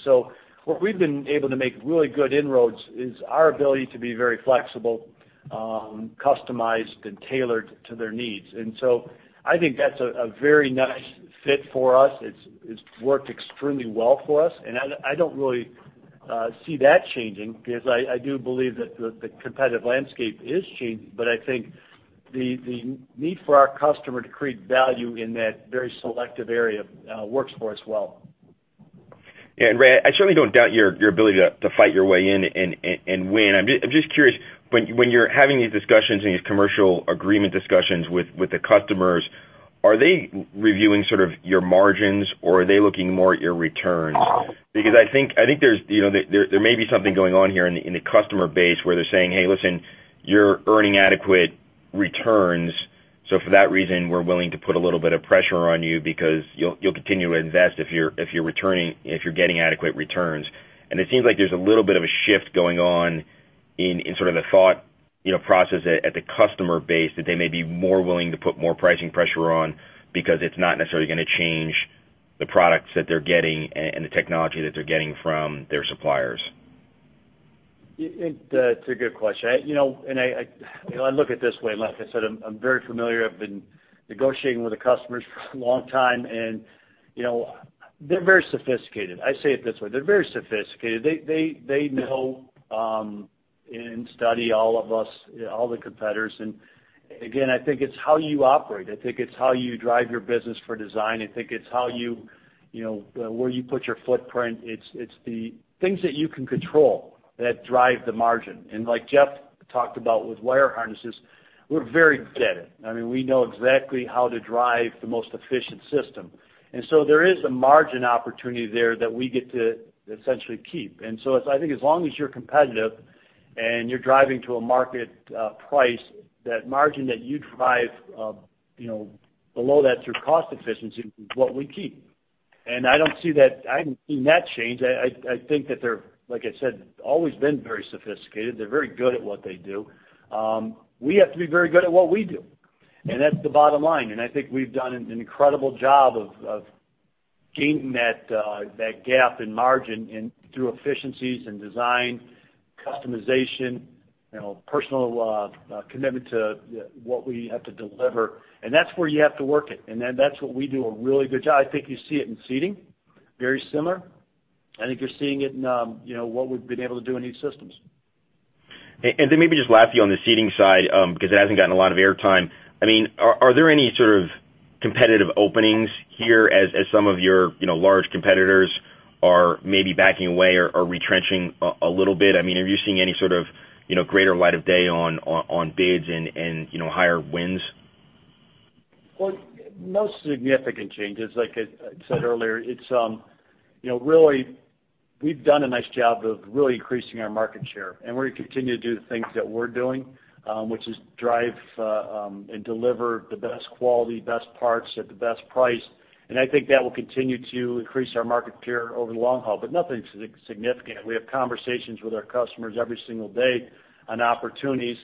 Where we've been able to make really good inroads is our ability to be very flexible, customized, and tailored to their needs. I think that's a very nice fit for us. It's worked extremely well for us, and I don't really see that changing because I do believe that the competitive landscape is changing, but I think the need for our customer to create value in that very selective area works for us well. Yeah. Ray, I certainly don't doubt your ability to fight your way in and win. I'm just curious, when you're having these discussions and these commercial agreement discussions with the customers, are they reviewing sort of your margins, or are they looking more at your returns? I think there may be something going on here in the customer base where they're saying, "Hey, listen, you're earning adequate returns, so for that reason, we're willing to put a little bit of pressure on you because you'll continue to invest if you're getting adequate returns." It seems like there's a little bit of a shift going on in sort of the thought process at the customer base that they may be more willing to put more pricing pressure on because it's not necessarily going to change the products that they're getting and the technology that they're getting from their suppliers. It's a good question. I look at it this way. Like I said, I'm very familiar. I've been negotiating with the customers for a long time, and they're very sophisticated. I say it this way. They're very sophisticated. They know and study all of us, all the competitors. Again, I think it's how you operate. I think it's how you drive your business for design. I think it's where you put your footprint. It's the things that you can control that drive the margin. Like Jeff talked about with wire harnesses, we're very good at it. We know exactly how to drive the most efficient system. There is a margin opportunity there that we get to essentially keep. I think as long as you're competitive and you're driving to a market price, that margin that you drive below that through cost efficiency is what we keep. I don't see that change. I think that they're, like I said, always been very sophisticated. They're very good at what they do. We have to be very good at what we do, and that's the bottom line. I think we've done an incredible job of gaining that gap in margin through efficiencies and design, customization, personal commitment to what we have to deliver. That's where you have to work it. That's what we do a really good job. I think you see it in seating, very similar. I think you're seeing it in what we've been able to do in E-Systems. Maybe just lastly on the seating side, because it hasn't gotten a lot of air time. Are there any sort of competitive openings here as some of your large competitors are maybe backing away or retrenching a little bit? Are you seeing any sort of greater light of day on bids and higher wins? Well, no significant changes. Like I said earlier, we've done a nice job of really increasing our market share, and we're going to continue to do the things that we're doing, which is drive and deliver the best quality, best parts at the best price, and I think that will continue to increase our market share over the long haul, but nothing significant. We have conversations with our customers every single day on opportunities,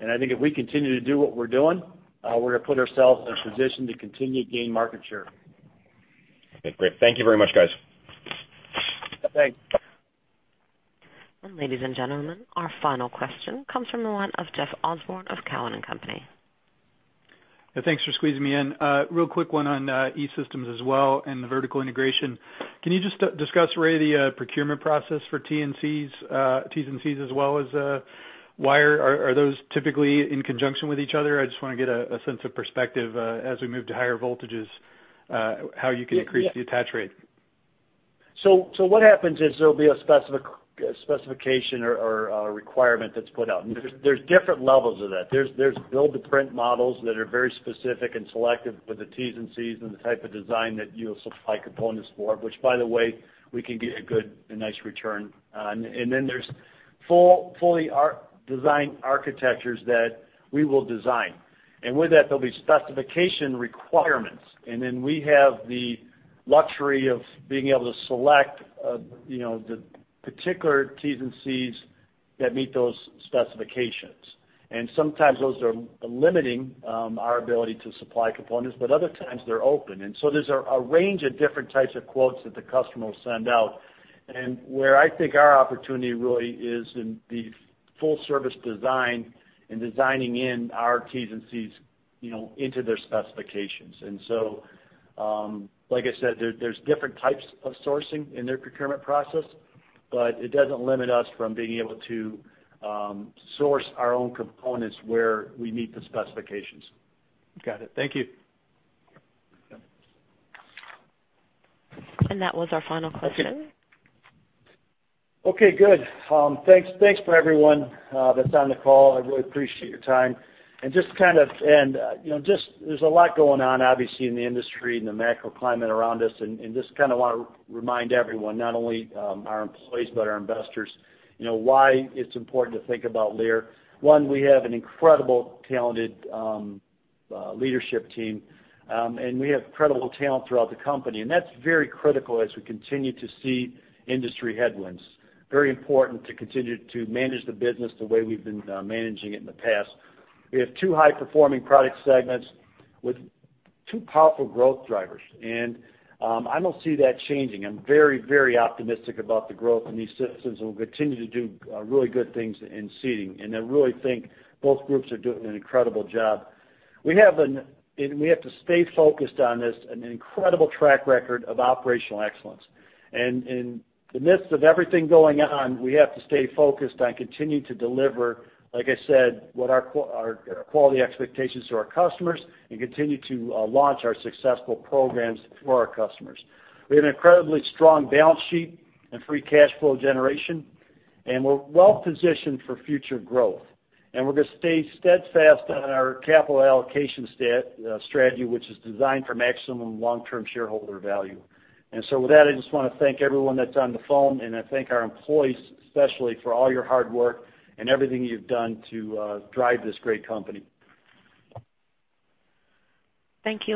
and I think if we continue to do what we're doing, we're going to put ourselves in a position to continue to gain market share. Okay, great. Thank you very much, guys. Thanks. Ladies and gentlemen, our final question comes from the line of Jeff Osborne of Cowen and Company. Thanks for squeezing me in. A real quick one on E-Systems as well and the vertical integration. Can you just discuss, Ray, the procurement process for Ts and Cs as well as wire? Are those typically in conjunction with each other? I just want to get a sense of perspective as we move to higher voltages, how you can increase the attach rate. What happens is there'll be a specification or a requirement that's put out. There's different levels of that. There's build to print models that are very specific and selective with the Ts and Cs and the type of design that you'll supply components for, which, by the way, we can get a nice return on. There's fully designed architectures that we will design. With that, there'll be specification requirements. We have the luxury of being able to select the particular Ts and Cs that meet those specifications. Sometimes those are limiting our ability to supply components, but other times they're open. There's a range of different types of quotes that the customer will send out. Where I think our opportunity really is in the full-service design and designing in our Ts and Cs into their specifications. Like I said, there's different types of sourcing in their procurement process, but it doesn't limit us from being able to source our own components where we meet the specifications. Got it. Thank you. Yeah. That was our final question. Okay, good. Thanks for everyone that's on the call. I really appreciate your time. There's a lot going on, obviously, in the industry and the macro climate around us, and just kind of want to remind everyone, not only our employees, but our investors, why it's important to think about Lear. One, we have an incredible talented leadership team, and we have incredible talent throughout the company, and that's very critical as we continue to see industry headwinds. Very important to continue to manage the business the way we've been managing it in the past. We have two high-performing product segments with two powerful growth drivers, and I don't see that changing. I'm very, very optimistic about the growth in E-Systems, and we'll continue to do really good things in seating, and I really think both groups are doing an incredible job. We have to stay focused on this, an incredible track record of operational excellence. In the midst of everything going on, we have to stay focused on continuing to deliver, like I said, what our quality expectations to our customers and continue to launch our successful programs for our customers. We have an incredibly strong balance sheet and free cash flow generation. We're well-positioned for future growth. We're going to stay steadfast on our capital allocation strategy, which is designed for maximum long-term shareholder value. With that, I just want to thank everyone that's on the phone, and I thank our employees, especially for all your hard work and everything you've done to drive this great company. Thank you.